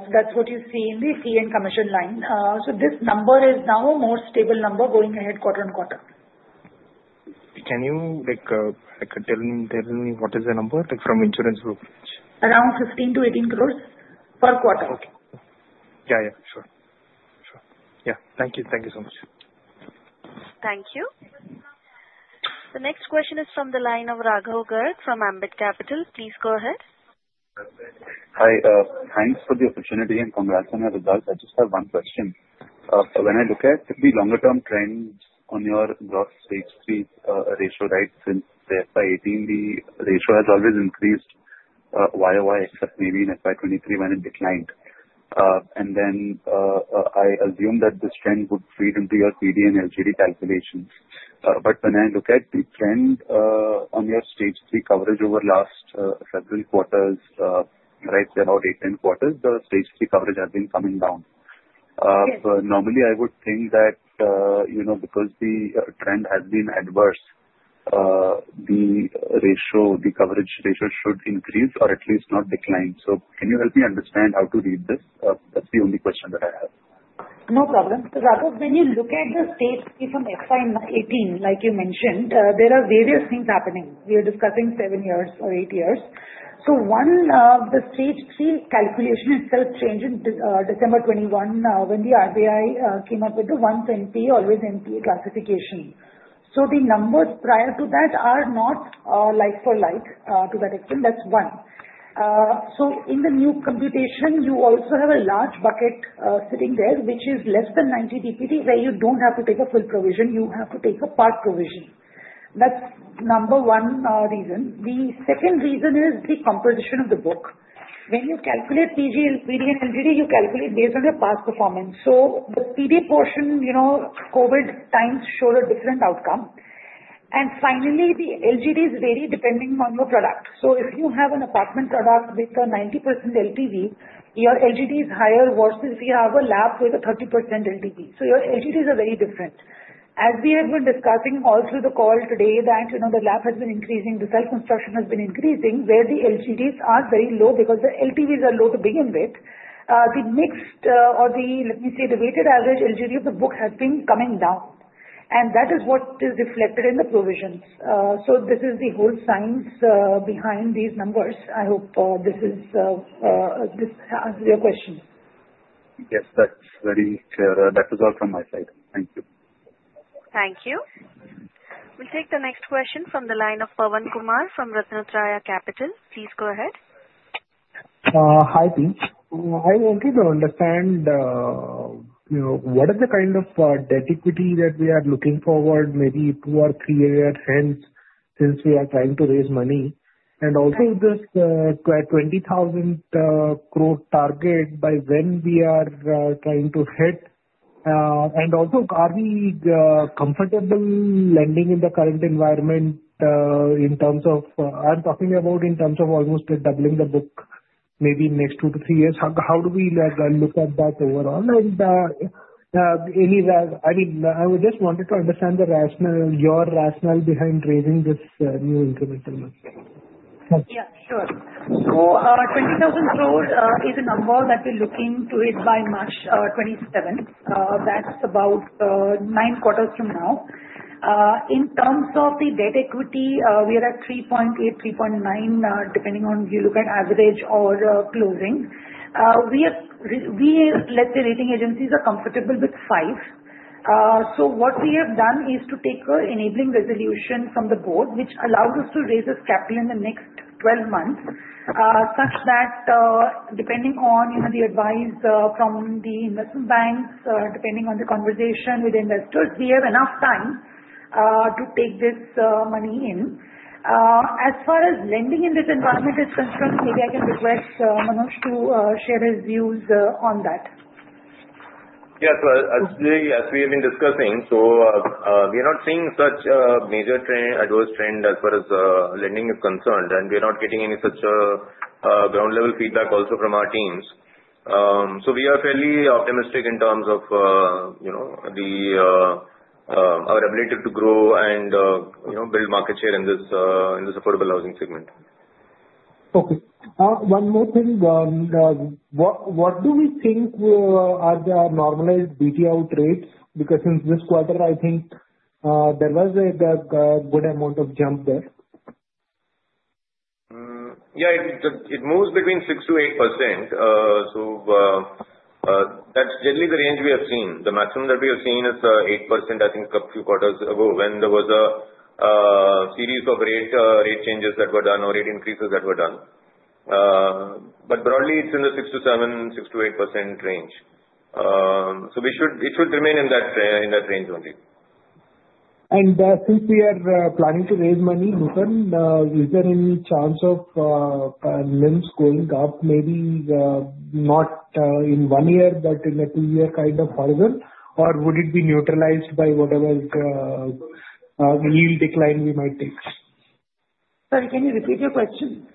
So that's what you see in the fee and commission line. So this number is now a more stable number going ahead quarter on quarter. Can you tell me what is the number from insurance brokerage? Around 15 crore-18 crore per quarter. Okay. Yeah, yeah. Sure. Sure. Yeah. Thank you. Thank you so much. Thank you. The next question is from the line of Raghav Garg from Ambit Capital. Please go ahead. Hi. Thanks for the opportunity and congrats on your results. I just have one question. When I look at the longer-term trends on your gross slippage ratio, since FY 2018, the ratio has always increased YoY except maybe in FY 2023 when it declined, and then I assume that this trend would feed into your PD and LTV calculations. But when I look at the trend on your stage three coverage over last several quarters, right, about eight, 10 quarters, the stage three coverage has been coming down. Normally, I would think that because the trend has been adverse, the coverage ratio should increase or at least not decline, so can you help me understand how to read this? That's the only question that I have. No problem. So Raghav, when you look at the stage three from FY 2018, like you mentioned, there are various things happening. We are discussing seven years or eight years. So one, the stage three calculation itself changed in December 2021 when the RBI came up with the once NPA, always NPA classification. So the numbers prior to that are not like for like to that extent. That's one. So in the new computation, you also have a large bucket sitting there which is less than 90 DPD where you don't have to take a full provision. You have to take a part provision. That's number one reason. The second reason is the composition of the book. When you calculate PD and LGD, you calculate based on your past performance. So the PD portion, COVID times showed a different outcome. And finally, the LGD is very dependent on your product. So if you have an apartment product with a 90% LTV, your LGD is higher versus we have a LAP with a 30% LTV. So your LGDs are very different. As we have been discussing all through the call today that the LAP has been increasing, the self-construction has been increasing where the LGDs are very low because the LTVs are low to begin with. The mixed or the, let me say, the weighted average LGD of the book has been coming down. And that is what is reflected in the provisions. So this is the whole science behind these numbers. I hope this answers your question. Yes, that's very clear. That was all from my side. Thank you. Thank you. We'll take the next question from the line of Pavan Kumar from RatnaTraya Capital. Please go ahead. Hi team. I wanted to understand what is the kind of debt equity that we are looking forward maybe two or three years hence since we are trying to raise money. And also, this 20,000 crore target, by when we are trying to hit? And also, are we comfortable lending in the current environment in terms of I'm talking about almost doubling the book maybe next two to three years? How do we look at that overall? And any rationale I mean, I just wanted to understand your rationale behind raising this new incremental loan. Yeah, sure. So 20,000 crore is a number that we're looking to hit by March 27. That's about nine quarters from now. In terms of the debt equity, we are at 3.8, 3.9 depending on if you look at average or closing. We, let's say, rating agencies are comfortable with 5. So what we have done is to take an enabling resolution from the board which allows us to raise this capital in the next 12 months such that depending on the advice from the investment banks, depending on the conversation with investors, we have enough time to take this money in. As far as lending in this environment is concerned, maybe I can request Manoj to share his views on that. Yeah. So as we have been discussing, so we are not seeing such a major adverse trend as far as lending is concerned. And we are not getting any such ground-level feedback also from our teams. So we are fairly optimistic in terms of our ability to grow and build market share in this affordable housing segment. Okay. One more thing. What do we think are the normalized BT rates? Because since this quarter, I think there was a good amount of jump there. Yeah. It moves between 6%-8%. So that's generally the range we have seen. The maximum that we have seen is 8%, I think, a few quarters ago when there was a series of rate changes that were done or rate increases that were done. But broadly, it's in the 6%-7%, 6%-8% range. So it should remain in that range only. Since we are planning to raise money, is there any chance of LTVs going up maybe not in one year but in a two-year kind of horizon? Or would it be neutralized by whatever yield decline we might take? Sorry, can you repeat your question?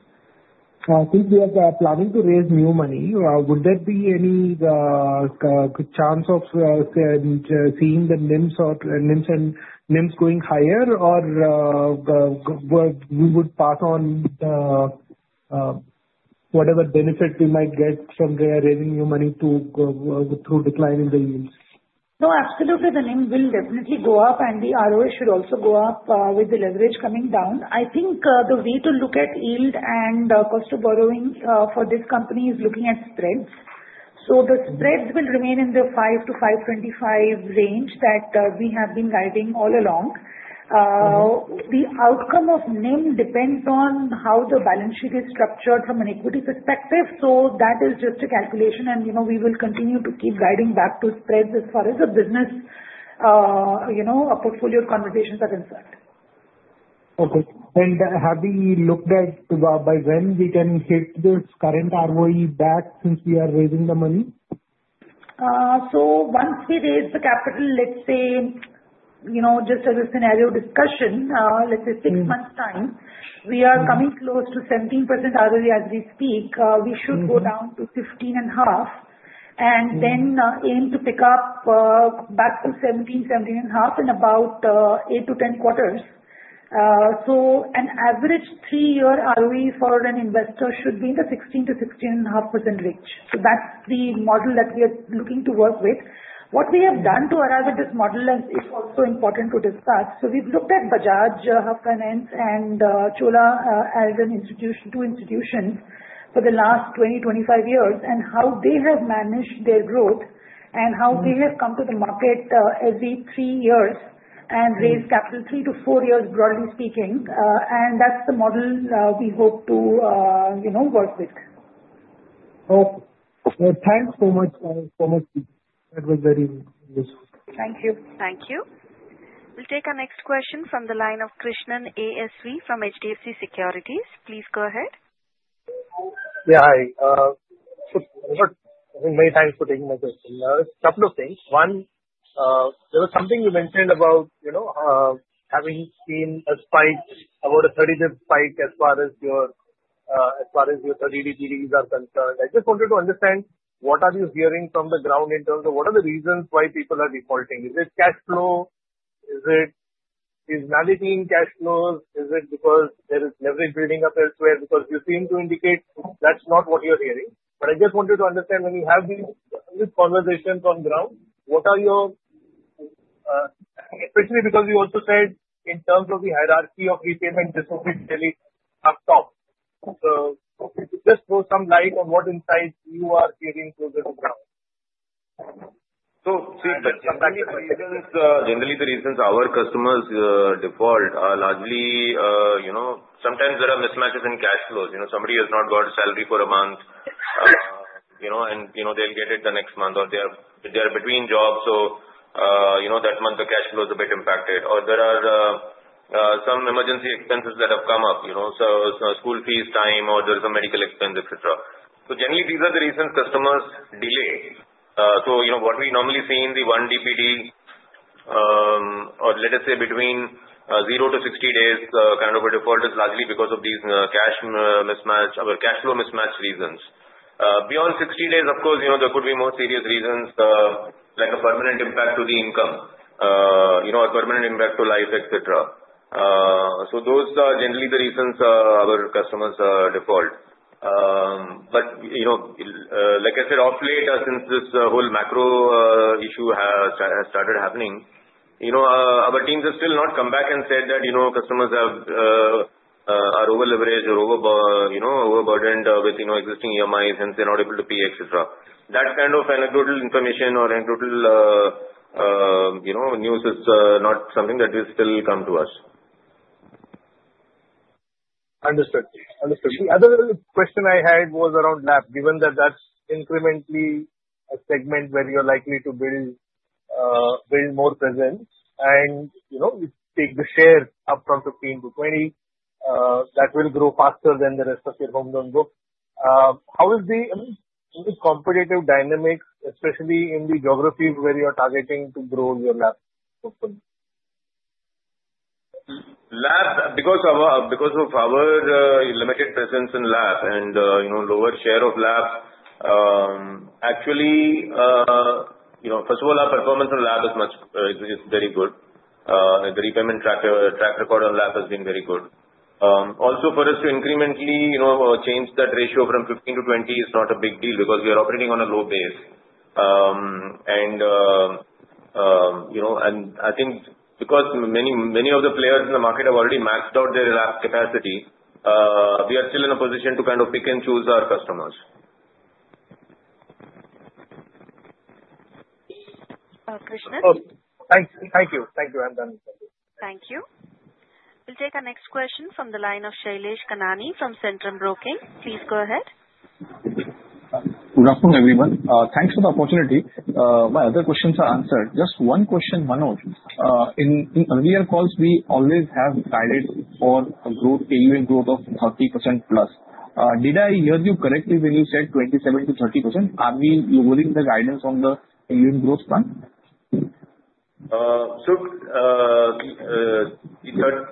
Since we are planning to raise new money, would there be any chance of seeing the NIMs going higher, or we would pass on whatever benefit we might get from raising new money through declining the yields? No, absolutely. The NIM will definitely go up, and the ROA should also go up with the leverage coming down. I think the way to look at yield and cost of borrowing for this company is looking at spreads. So the spreads will remain in the 5%-5.25% range that we have been guiding all along. The outcome of NIM depends on how the balance sheet is structured from an equity perspective. So that is just a calculation, and we will continue to keep guiding back to spreads as far as the business portfolio conversations are concerned. Okay. And have we looked at by when we can hit this current ROE back since we are raising the money? Once we raise the capital, let's say just as a scenario discussion, let's say six months' time, we are coming close to 17% ROE as we speak. We should go down to 15.5% and then aim to pick up back to 17%-17.5% in about 8-10 quarters. An average three-year ROE for an investor should be in the 16%-16.5% range. That's the model that we are looking to work with. What we have done to arrive at this model is also important to discuss. We've looked at Bajaj, Home First Finance, and Chola as two institutions for the last 20-25 years and how they have managed their growth and how they have come to the market every three years and raised capital three to four years, broadly speaking. That's the model we hope to work with. Okay. Thanks so much. That was very useful. Thank you. Thank you. We'll take our next question from the line of Krishnan ASV from HDFC Securities. Please go ahead. Yeah. Hi. So I think many thanks for taking my question. A couple of things. One, there was something you mentioned about having seen a spike, about a 30-day spike as far as your 30 DPDs are concerned. I just wanted to understand what are you hearing from the ground in terms of what are the reasons why people are defaulting? Is it cash flow? Is it variability in cash flows? Is it because there is leverage building up elsewhere? Because you seem to indicate that's not what you're hearing. But I just wanted to understand when you have these conversations on ground, what are you especially because you also said in terms of the hierarchy of repayment, this will be really up top. So just throw some light on what insights you are giving closer to ground. So seeing that. Generally, the reasons our customers default are largely sometimes there are mismatches in cash flows. Somebody has not got a salary for a month, and they'll get it the next month, or they are between jobs. So that month, the cash flow is a bit impacted. Or there are some emergency expenses that have come up, so school fees, time, or there is a medical expense, etc. So generally, these are the reasons customers delay. So what we normally see in the 1+ DPD, or let us say between zero to 60 days, kind of a default is largely because of these cash flow mismatch reasons. Beyond 60 days, of course, there could be more serious reasons like a permanent impact to the income, a permanent impact to life, etc. So those are generally the reasons our customers default. But like I said, of late, since this whole macro issue has started happening, our teams have still not come back and said that customers are over-leveraged or overburdened with existing EMIs and they're not able to pay, etc. That kind of anecdotal information or anecdotal news is not something that will still come to us. Understood. Understood. The other question I had was around LAP, given that that's incrementally a segment where you're likely to build more presence and take the share up from 15%-20%, that will grow faster than the rest of your home loan book. How is the competitive dynamics, especially in the geographies where you're targeting to grow your LAP? Because of our limited presence in LAP and lower share of LAP, actually, first of all, our performance on LAP is very good. The repayment track record on LAP has been very good. Also, for us to incrementally change that ratio from 15-20 is not a big deal because we are operating on a low base. And I think because many of the players in the market have already maxed out their capacity, we are still in a position to kind of pick and choose our customers. Krishnan? Thank you. Thank you. I'm done. Thank you. We'll take our next question from the line of Shailesh Kanani from Centrum Broking. Please go ahead. Good afternoon, everyone. Thanks for the opportunity. My other questions are answered. Just one question, Manoj. In earlier calls, we always have guided for a growth, AUM growth of 30%+. Did I hear you correctly when you said 27%-30%? Are we lowering the guidance on the AUM growth plan?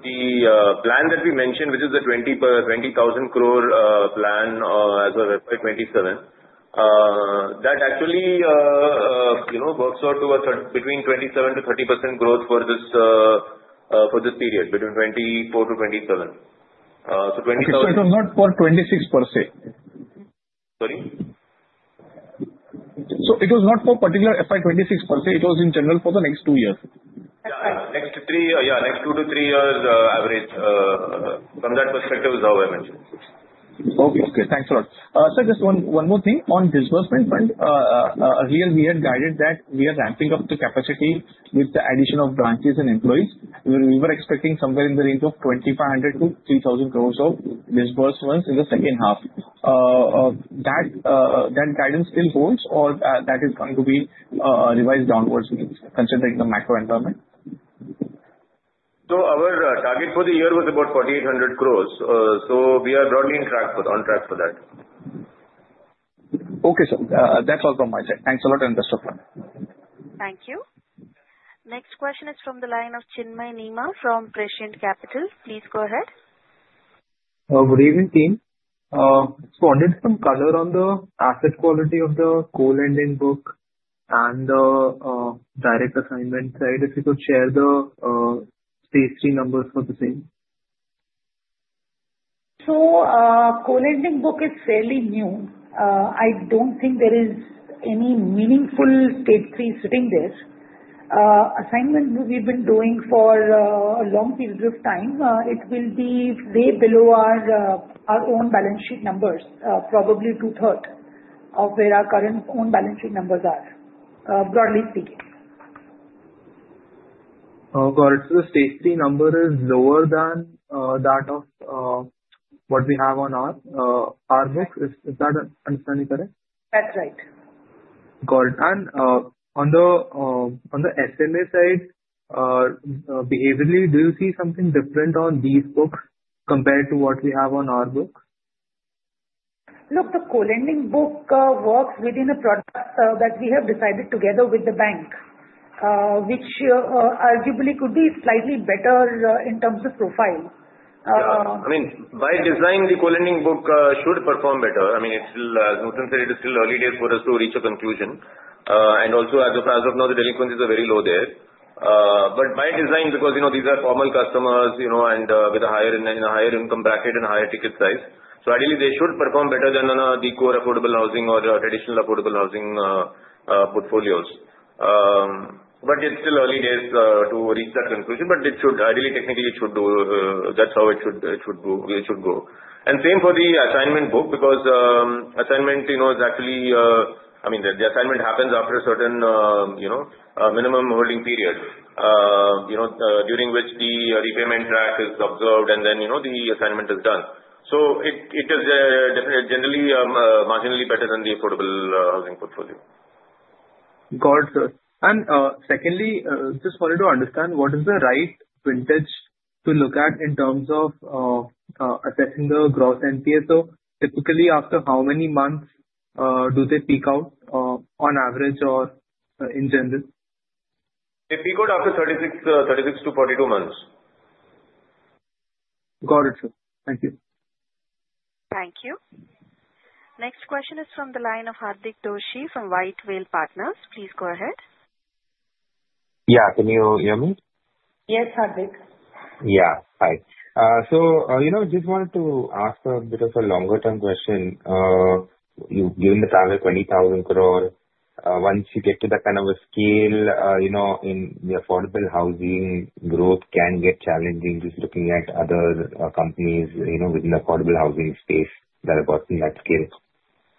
the plan that we mentioned, which is the 20,000 crore plan as of FY 2027, that actually works out to between 27%-30% growth for this period, between 24 to 27. So 20,000. It was not for 26 per se? Sorry? So it was not for particular FY 2026 per se. It was in general for the next two years. Yeah. Next two to three years average from that perspective is how I mentioned. Okay. Okay. Thanks a lot. So just one more thing. On disbursement fund, earlier we had guided that we are ramping up the capacity with the addition of branches and employees. We were expecting somewhere in the range of 2,500 crore-3,000 crore of disbursements in the second half. That guidance still holds, or that is going to be revised downwards considering the macro environment? So our target for the year was about 4,800 crore. So we are broadly on track for that. Okay, sir. That's all from my side. Thanks a lot.. Thank you. Next question is from the line of Chinmay Nema from Prescient Capital. Please go ahead. Good evening, team. I wanted some color on the asset quality of the co-lending book and the direct assignment side. If you could share the stage three numbers for the same. So Co-lending book is fairly new. I don't think there is any meaningful Stage 3 sitting there. Assignment book we've been doing for a long period of time. It will be way below our own balance sheet numbers, probably two-thirds of where our current own balance sheet numbers are, broadly speaking. Oh, got it. So the stage three number is lower than that of what we have on our books. Is that understanding correct? That's right. Got it. And on the SMA side, behaviorally, do you see something different on these books compared to what we have on our books? Look, the co-lending book works within a product that we have decided together with the bank, which arguably could be slightly better in terms of profile. Yeah. I mean, by design, the co-lending book should perform better. I mean, as Manoj said, it is still early days for us to reach a conclusion. Also, as of now, the delinquencies are very low there. But by design, because these are formal customers and in a higher income bracket and higher ticket size, so ideally, they should perform better than the core affordable housing or traditional affordable housing portfolios. But it's still early days to reach that conclusion. Ideally, technically, that's how it should go. Same for the assignment book because assignment is actually I mean, the assignment happens after a certain minimum holding period during which the repayment track is observed, and then the assignment is done. So it is generally marginally better than the affordable housing portfolio. Got it, sir. And secondly, just wanted to understand what is the right vintage to look at in terms of assessing the gross NPAs? So typically, after how many months do they peak out on average or in general? They peak out after 36-42 months. Got it, sir. Thank you. Thank you. Next question is from the line of Hardik Doshi from White Whale Partners. Please go ahead. Yeah. Can you hear me? Yes, Hardik. Yeah. Hi. So I just wanted to ask a bit of a longer-term question. Given the target, 20,000 crore, once you get to that kind of a scale in the affordable housing, growth can get challenging just looking at other companies within the affordable housing space that are working that scale.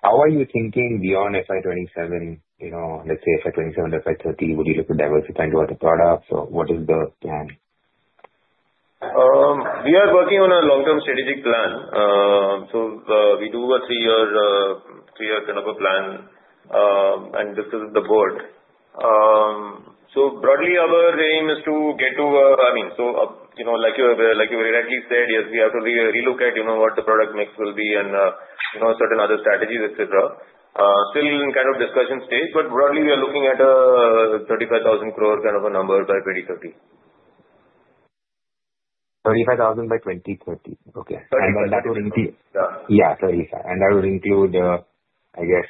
How are you thinking beyond FY 2027? Let's say FY 2027, FY 2030, would you look to diversify into other products? Or what is the plan? We are working on a long-term strategic plan. So we do a three-year kind of a plan and discuss with the board. So broadly, our aim is to get to I mean, so like you already said, yes, we have to relook at what the product mix will be and certain other strategies, etc. Still in kind of discussion stage, but broadly, we are looking at 35,000 crore kind of a number by 2030. 35,000 by 2030. Okay. And that would include. 35. Yeah, 35, and that would include, I guess,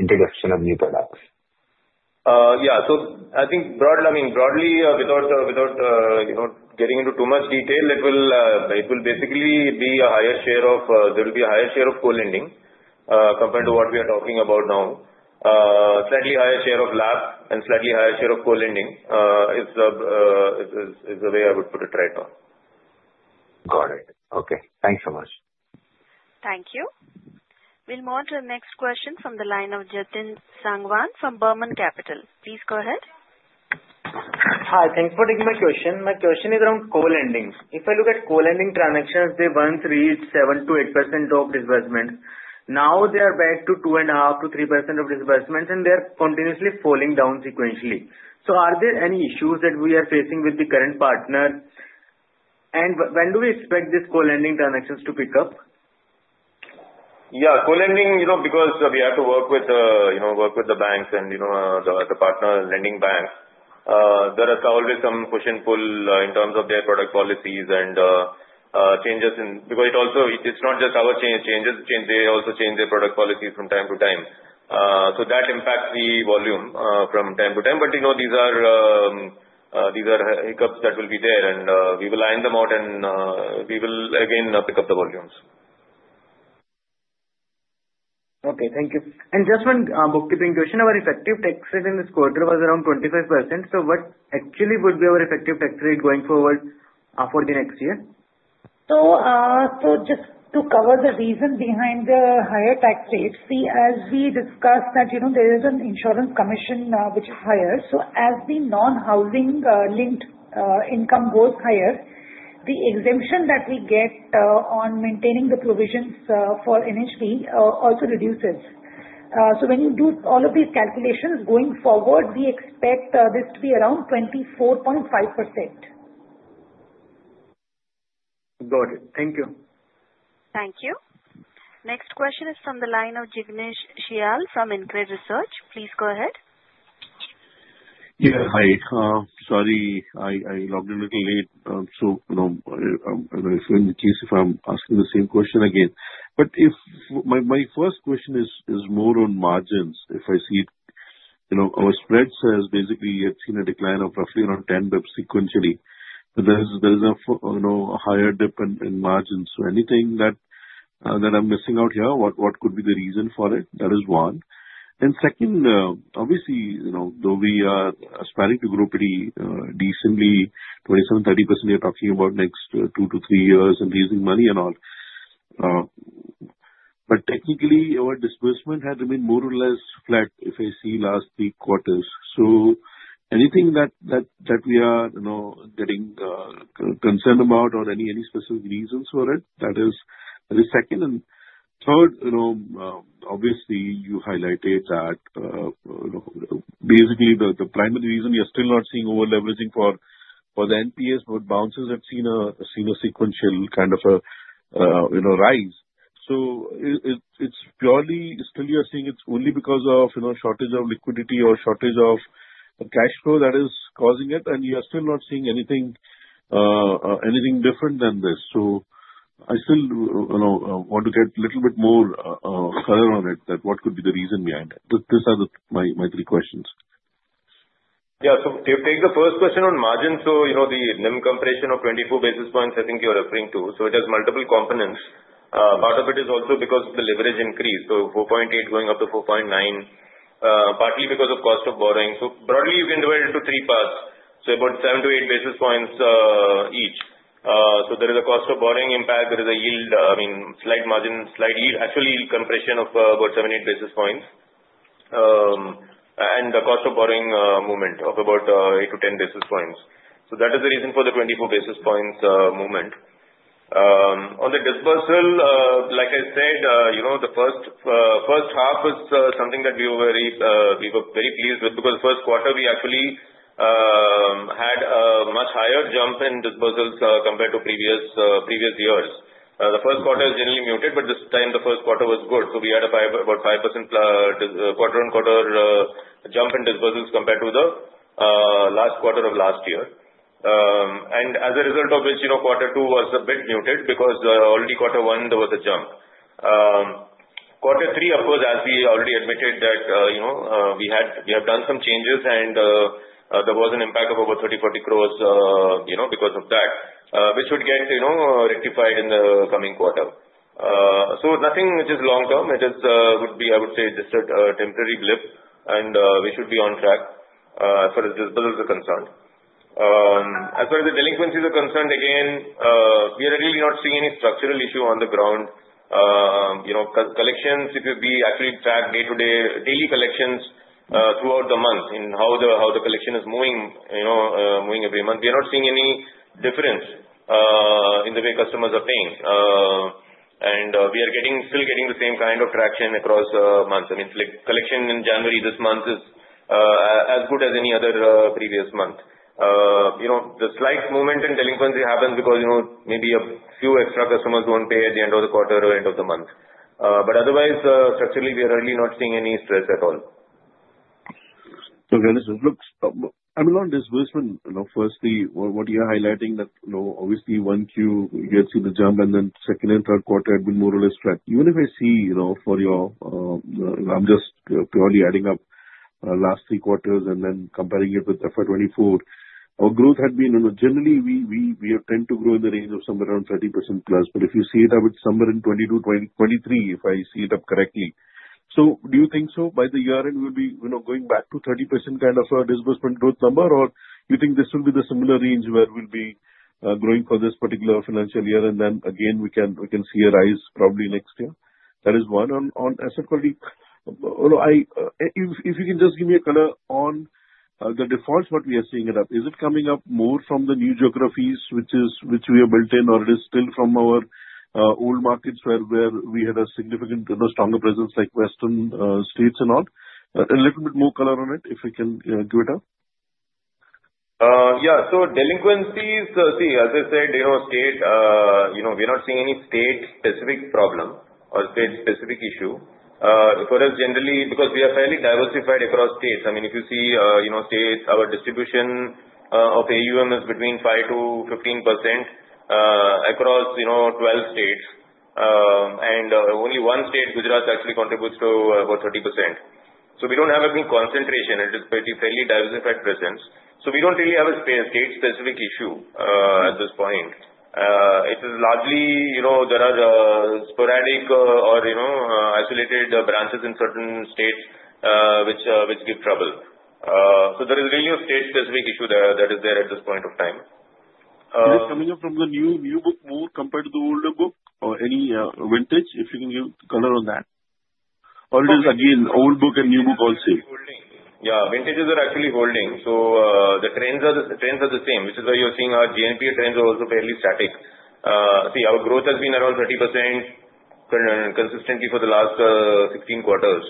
introduction of new products. Yeah. So I think broadly, without getting into too much detail, it will basically be a higher share of co-lending compared to what we are talking about now. Slightly higher share of LAP and slightly higher share of co-lending is the way I would put it right now. Got it. Okay. Thanks so much. Thank you. We'll move on to the next question from the line of Jatin Sangwan from Burman Capital. Please go ahead. Hi. Thanks for taking my question. My question is around co-lending. If I look at co-lending transactions, they once reached 7%-8% of disbursement. Now they are back to 2.5%-3%% of disbursements, and they are continuously falling down sequentially. So are there any issues that we are facing with the current partners? And when do we expect these co-lending transactions to pick up? Yeah. Co-lending, because we have to work with the banks and the partner lending banks, there are always some push and pull in terms of their product policies and changes. Because it's not just our changes. They also change their product policies from time to time. So that impacts the volume from time to time. But these are hiccups that will be there, and we will iron them out, and we will again pick up the volumes. Okay. Thank you. And just one bookkeeping question. Our effective tax rate in this quarter was around 25%. So what actually would be our effective tax rate going forward for the next year? So just to cover the reason behind the higher tax rate, see, as we discussed that there is an insurance commission which is higher. So as the non-housing-linked income goes higher, the exemption that we get on maintaining the provisions for NHB also reduces. So when you do all of these calculations going forward, we expect this to be around 24.5%. Got it. Thank you. Thank you. Next question is from the line of Jignesh Shial from InCred Research. Please go ahead. Yeah. Hi. Sorry, I logged in a little late. So I'm very sorry in case if I'm asking the same question again. But my first question is more on margins. If I see our spreads, as basically I've seen a decline of roughly around 10 sequentially. There is a higher dip in margins. So anything that I'm missing out here, what could be the reason for it? That is one. And second, obviously, though we are aspiring to grow pretty decently, 27%-30%, we are talking about next two to three years and raising money and all. But technically, our disbursement had remained more or less flat if I see last three quarters. So anything that we are getting concerned about or any specific reasons for it, that is second. Third, obviously, you highlighted that basically the primary reason we are still not seeing over-leveraging for the NPAs, but bounces have seen a sequential kind of a rise. So it's purely still you're seeing it's only because of shortage of liquidity or shortage of cash flow that is causing it. And you are still not seeing anything different than this. So I still want to get a little bit more color on it, that what could be the reason behind it. These are my three questions. Yeah. So, take the first question on margin. So, the NIM comparison of 24 basis points, I think you're referring to. So, it has multiple components. Part of it is also because of the leverage increase, so 4.8 going up to 4.9, partly because of cost of borrowing. So, broadly, you can divide it into three parts. So, about 7-8 basis points each. So, there is a cost of borrowing impact. There is a yield, I mean, slight margin, slight yield, actually compression of about 7-8 basis points. And the cost of borrowing movement of about 8-10 basis points. So, that is the reason for the 24 basis points movement. On the disbursal, like I said, the first half is something that we were very pleased with because the first quarter, we actually had a much higher jump in disbursals compared to previous years. The first quarter is generally muted, but this time, the first quarter was good. So we had about a 5% quarter-on-quarter jump in disbursals compared to the last quarter of last year. And as a result of which, quarter two was a bit muted because already quarter one, there was a jump. Quarter three, of course, as we already admitted that we have done some changes, and there was an impact of about 30 crore-40 crore because of that, which would get rectified in the coming quarter. So nothing which is long-term. It would be, I would say, just a temporary blip, and we should be on track as far as disbursals are concerned. As far as the delinquencies are concerned, again, we are really not seeing any structural issue on the ground. Collections, if it's actually tracked day-to-day, daily collections throughout the month in how the collection is moving every month, we are not seeing any difference in the way customers are paying, and we are still getting the same kind of traction across months. I mean, collection in January this month is as good as any other previous month. The slight movement in delinquency happens because maybe a few extra customers won't pay at the end of the quarter or end of the month. Otherwise, structurally, we are really not seeing any stress at all. Okay. Listen, look, I'm asking on disbursement. Firstly, what you're highlighting, obviously, 1Q, you had seen the jump, and then second and third quarter had been more or less flat. Even if I see for your, I'm just purely adding up last three quarters and then comparing it with FY 2024, our growth had been generally, we have tended to grow in the range of somewhere around 30%+. But if you see it, it would be somewhere in FY 2022, FY 2023, if I add it up correctly. So do you think so by year-end, we'll be going back to 30% kind of disbursement growth number, or do you think this will be the similar range where we'll be growing for this particular financial year? And then again, we can see a rise probably next year. That is one. On asset quality. If you can just give me a color on the defaults, what we are seeing, is it up? Is it coming up more from the new geographies which we are entering, or is it still from our old markets where we had a significantly stronger presence like Western states and all? A little bit more color on it if you can give it up. Yeah. So delinquencies, see, as I said, we're not seeing any state-specific problem or state-specific issue. For us, generally, because we are fairly diversified across states. I mean, if you see states, our distribution of AUM is between 5%-15% across 12 states. And only one state, Gujarat, actually contributes to about 30%. So we don't have any concentration. It is pretty fairly diversified presence. So we don't really have a state-specific issue at this point. It is largely there are sporadic or isolated branches in certain states which give trouble. So there is really a state-specific issue that is there at this point of time. Is it coming up from the new book more compared to the older book or any vintage, if you can give color on that? Or it is, again, old book and new book all same? Yeah. Vintages are actually holding. So the trends are the same, which is why you're seeing our GNPA trends are also fairly static. See, our growth has been around 30% consistently for the last 16 quarters.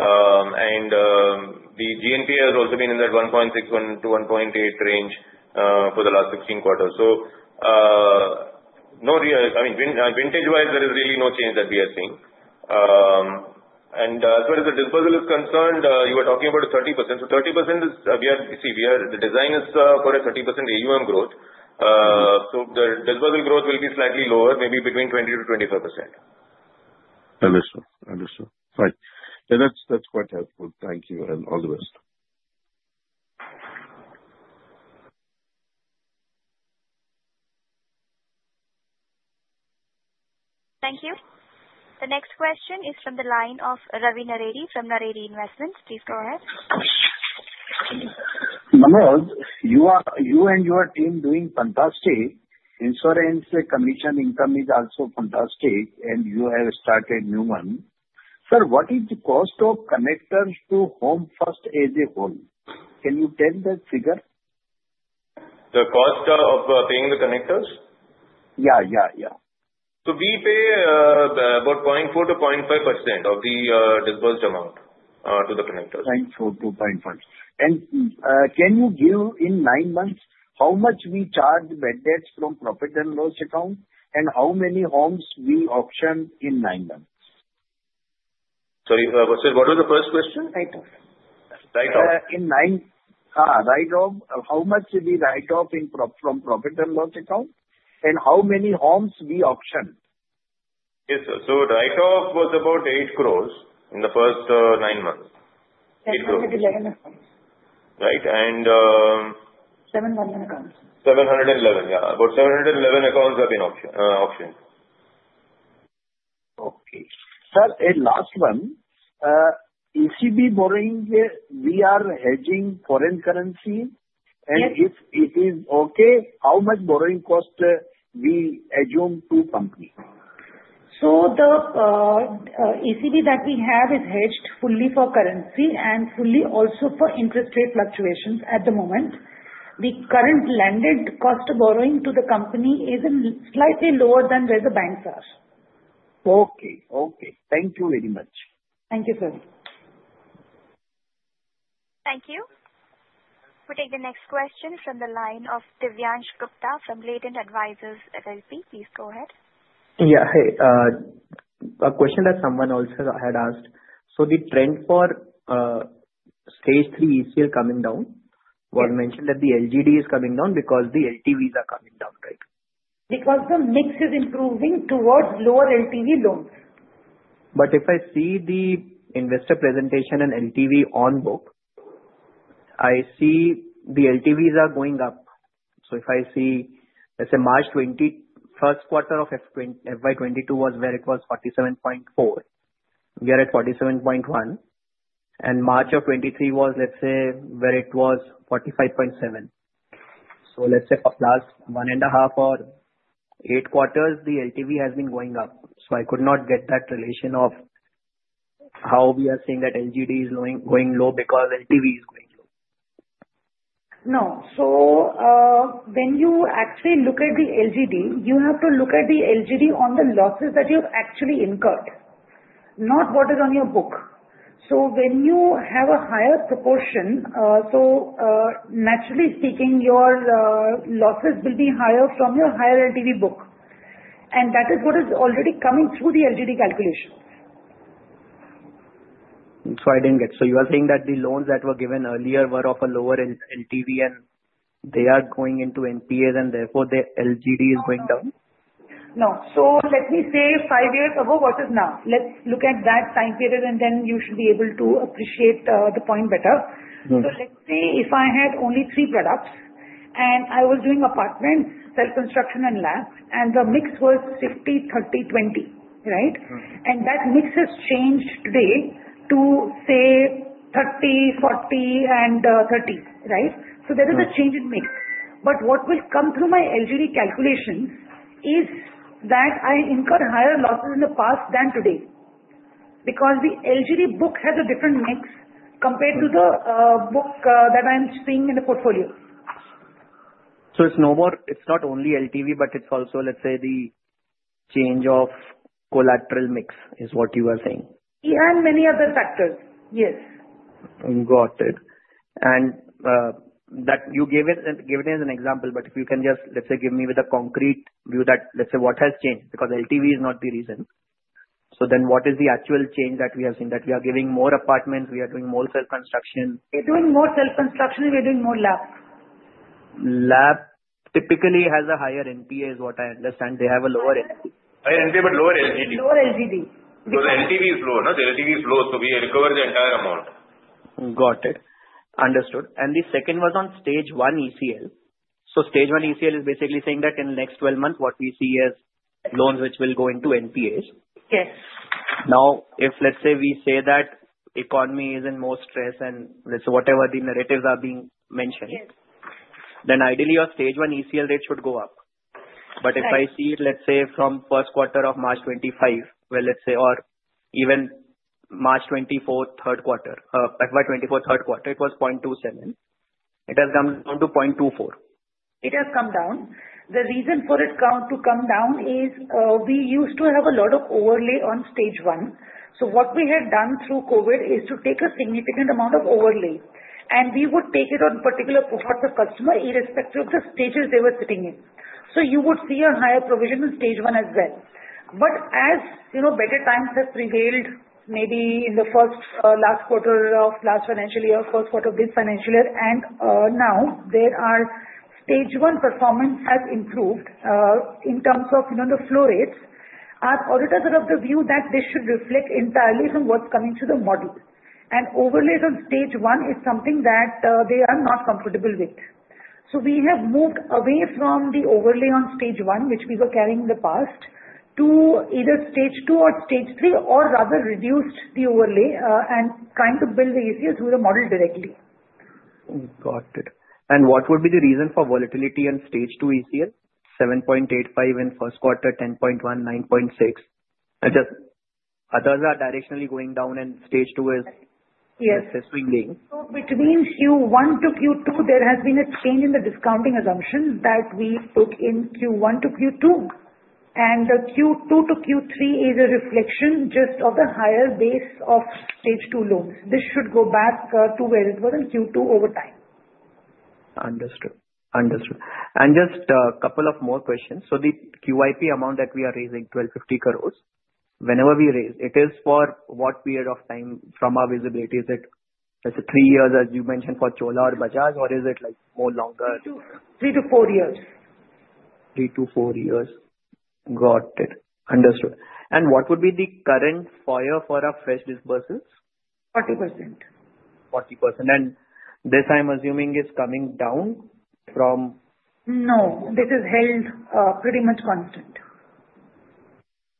And the GNPA has also been in that 1.6%-1.8% range for the last 16 quarters. So I mean, vintage-wise, there is really no change that we are seeing. And as far as the disbursal is concerned, you were talking about 30%. So 30% is, see, the design is for a 30% AUM growth. So the disbursal growth will be slightly lower, maybe between 20%-25%. Understood. Understood. Right. Yeah. That's quite helpful. Thank you. And all the best. Thank you. The next question is from the line of Ravi Naredi from Naredi Investments. Please go ahead. Manoj, you and your team doing fantastic. Insurance commission income is also fantastic, and you have started a new one. Sir, what is the cost of connectors to Home First as a whole? Can you tell that figure? The cost of paying the connectors? Yeah. Yeah. Yeah. We pay about 0.4%-0.5% of the disbursed amount to the connectors. 0.4-0.5. Can you give in nine months how much we charge bad debts from profit and loss account, and how many homes we auction in nine months? Sorry. What was the first question? Write-off. Write-off. In write-off. How much did we write off from profit and loss account, and how many homes we auctioned? Yes, sir. So write-off was about 8 crore in the first nine months. 8 crore. 711 accounts. Right. And. 711 accounts. Yeah. About 711 accounts have been auctioned. Okay. Sir, a last one. ECB borrowing, we are hedging foreign currency. And if it is okay, how much borrowing cost we assume to company? The ECB that we have is hedged fully for currency and fully also for interest rate fluctuations at the moment. The current cost of borrowing to the company is slightly lower than where the banks are. Okay. Okay. Thank you very much. Thank you, sir. Thank you. We'll take the next question from the line of Divyansh Gupta from Latent Advisors LLP. Please go ahead. Yeah. Hey, a question that someone also had asked. So the trend for stage 3 ECL coming down, what I mentioned that the LGD is coming down because the LTVs are coming down, right? Because the mix is improving toward lower LTV loans. But if I see the investor presentation and LTV on book, I see the LTVs are going up. So if I see, let's say, March 2020, first quarter of FY 2022 was where it was 47.4. We are at 47.1. And March of 2023 was, let's say, where it was 45.7. So let's say last one and a half or eight quarters, the LTV has been going up. So I could not get that relation of how we are seeing that LGD is going low because LTV is going low. No. So when you actually look at the LGD, you have to look at the LGD on the losses that you have actually incurred, not what is on your book. When you have a higher proportion, so naturally speaking, your losses will be higher from your higher LTV book. And that is what is already coming through the LGD calculations. So I didn't get it. So you are saying that the loans that were given earlier were of a lower LTV, and they are going into NPAs, and therefore the LGD is going down? No. So let me say five years ago versus now. Let's look at that time period, and then you should be able to appreciate the point better. So let's say if I had only three products and I was doing apartment, self-construction, and land, and the mix was 50, 30, 20, right? And that mix has changed today to, say, 30, 40, and 30, right? So there is a change in mix. But what will come through my LGD calculations is that I incurred higher losses in the past than today because the LGD book has a different mix compared to the book that I'm seeing in the portfolio. It's not only LTV, but it's also, let's say, the change of collateral mix is what you are saying. And many other factors. Yes. Got it and you gave it as an example, but if you can just, let's say, give me with a concrete view that, let's say, what has changed because LTV is not the reason, so then what is the actual change that we have seen? That we are giving more apartments, we are doing more self-construction. We're doing more self-construction, we're doing more LAP. LAP typically has a higher NPA, is what I understand. They have a lower NPA. Higher NPA, but lower LGD. Lower LGD. Because LTV is lower, not LTV is lower. So we recover the entire amount. Got it. Understood, and the second was on Stage 1 ECL, so Stage 1 ECL is basically saying that in the next 12 months, what we see is loans which will go into NPAs. Now, if let's say we say that the economy is in more stress and whatever the narratives are being mentioned, then ideally, your Stage 1 ECL rate should go up. But if I see it, let's say, from first quarter of March 25, or even March 24, third quarter, FY 2024, third quarter, it was 0.27. It has come down to 0.24. It has come down. The reason for it to come down is we used to have a lot of overlay on Stage 1. So what we had done through COVID is to take a significant amount of overlay, and we would take it on particular parts of customer irrespective of the stages they were sitting in. So you would see a higher provision in Stage 1 as well, but as better times have prevailed, maybe in the last quarter of last financial year, first quarter of this financial year, and now, Stage 1 performance has improved in terms of the flow rates. Our auditors are of the view that this should reflect entirely from what's coming through the model, and overlay on Stage 1 is something that they are not comfortable with. So we have moved away from the overlay on Stage 1, which we were carrying in the past, to either Stage 2 or Stage 3, or rather reduced the overlay and trying to build the ECL through the model directly. Got it. And what would be the reason for volatility on Stage 2 ECL? 7.85% in first quarter, 10.1%, 9.6%. Others are directionally going down, and Stage 2 is swinging. So between Q1 to Q2, there has been a change in the discounting assumptions that we took in Q1 to Q2. And Q2 to Q3 is a reflection just of the higher base of Stage 2 loans. This should go back to where it was in Q2 over time. Understood. Understood. And just a couple of more questions. So the QIP amount that we are raising, 1,250 crore, whenever we raise, it is for what period of time from our visibility? Is it three years, as you mentioned, for Chola or Bajaj, or is it more longer? Three to four years. Three to four years. Got it. Understood. And what would be the curent FOIR for our fresh disbursals? 40%. 40%. And this, I'm assuming, is coming down from? No. This is held pretty much constant.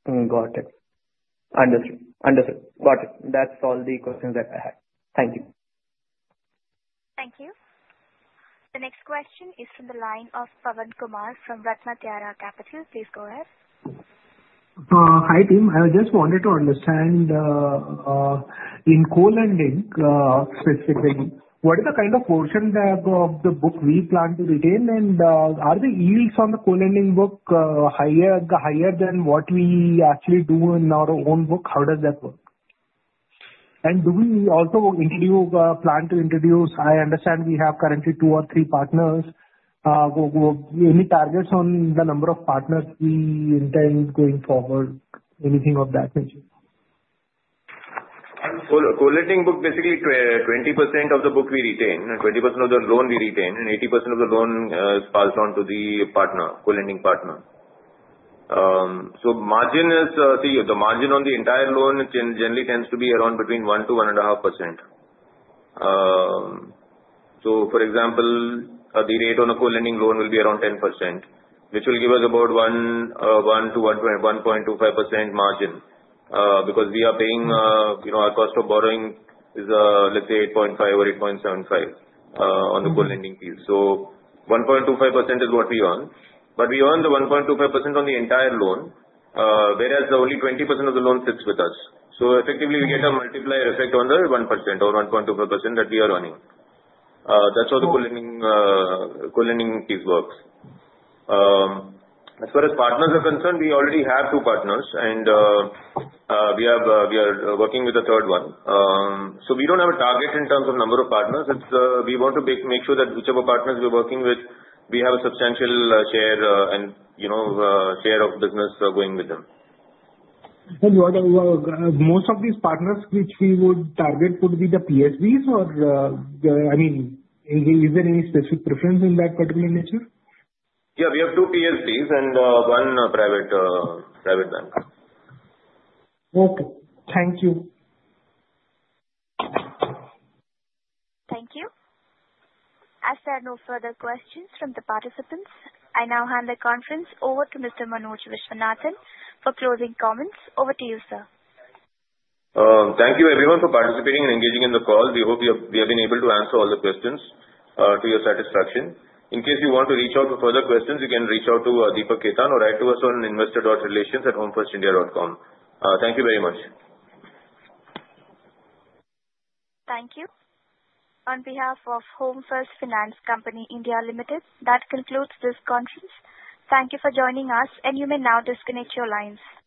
Got it. Understood. Understood. Got it. That's all the questions that I had. Thank you. Thank you. The next question is from the line of Pavan Kumar from RatnaTraya Capital. Please go ahead. Hi, team. I just wanted to understand in co-lending specifically, what is the kind of portion of the book we plan to retain? And are the yields on the co-lending book higher than what we actually do in our own book? How does that work? And do we also plan to introduce? I understand we have currently two or three partners. Any targets on the number of partners we intend going forward? Anything of that nature? Co-lending book basically 20% of the book we retain, 20% of the loan we retain, and 80% of the loan is passed on to the partner, co-lending partner. So margin is the margin on the entire loan generally tends to be around between 1%-1.5%. So, for example, the rate on a co-lending loan will be around 10%, which will give us about 1%-1.25% margin because we are paying our cost of borrowing is, let's say, 8.5% or 8.75% on the co-lending piece. So 1.25% is what we earn. But we earn the 1.25% on the entire loan, whereas only 20% of the loan sits with us. So, effectively, we get a multiplier effect on the 1% or 1.25% that we are earning. That's how the co-lending piece works. As far as partners are concerned, we already have two partners, and we are working with a third one. So we don't have a target in terms of number of partners. We want to make sure that whichever partners we're working with, we have a substantial share and share of business going with them. Most of these partners which we would target would be the PSBs or, I mean, is there any specific preference in that particular nature? Yeah. We have two PSBs and one private bank. Okay. Thank you. Thank you. As there are no further questions from the participants, I now hand the conference over to Mr. Manoj Viswanathan for closing comments. Over to you, sir. Thank you, everyone, for participating and engaging in the call. We hope we have been able to answer all the questions to your satisfaction. In case you want to reach out for further questions, you can reach out to Deepak Khetan or write to us on investor.relations@homefirstindia.com. Thank you very much. Thank you. On behalf of Home First Finance Company India Limited, that concludes this conference. Thank you for joining us, and you may now disconnect your lines.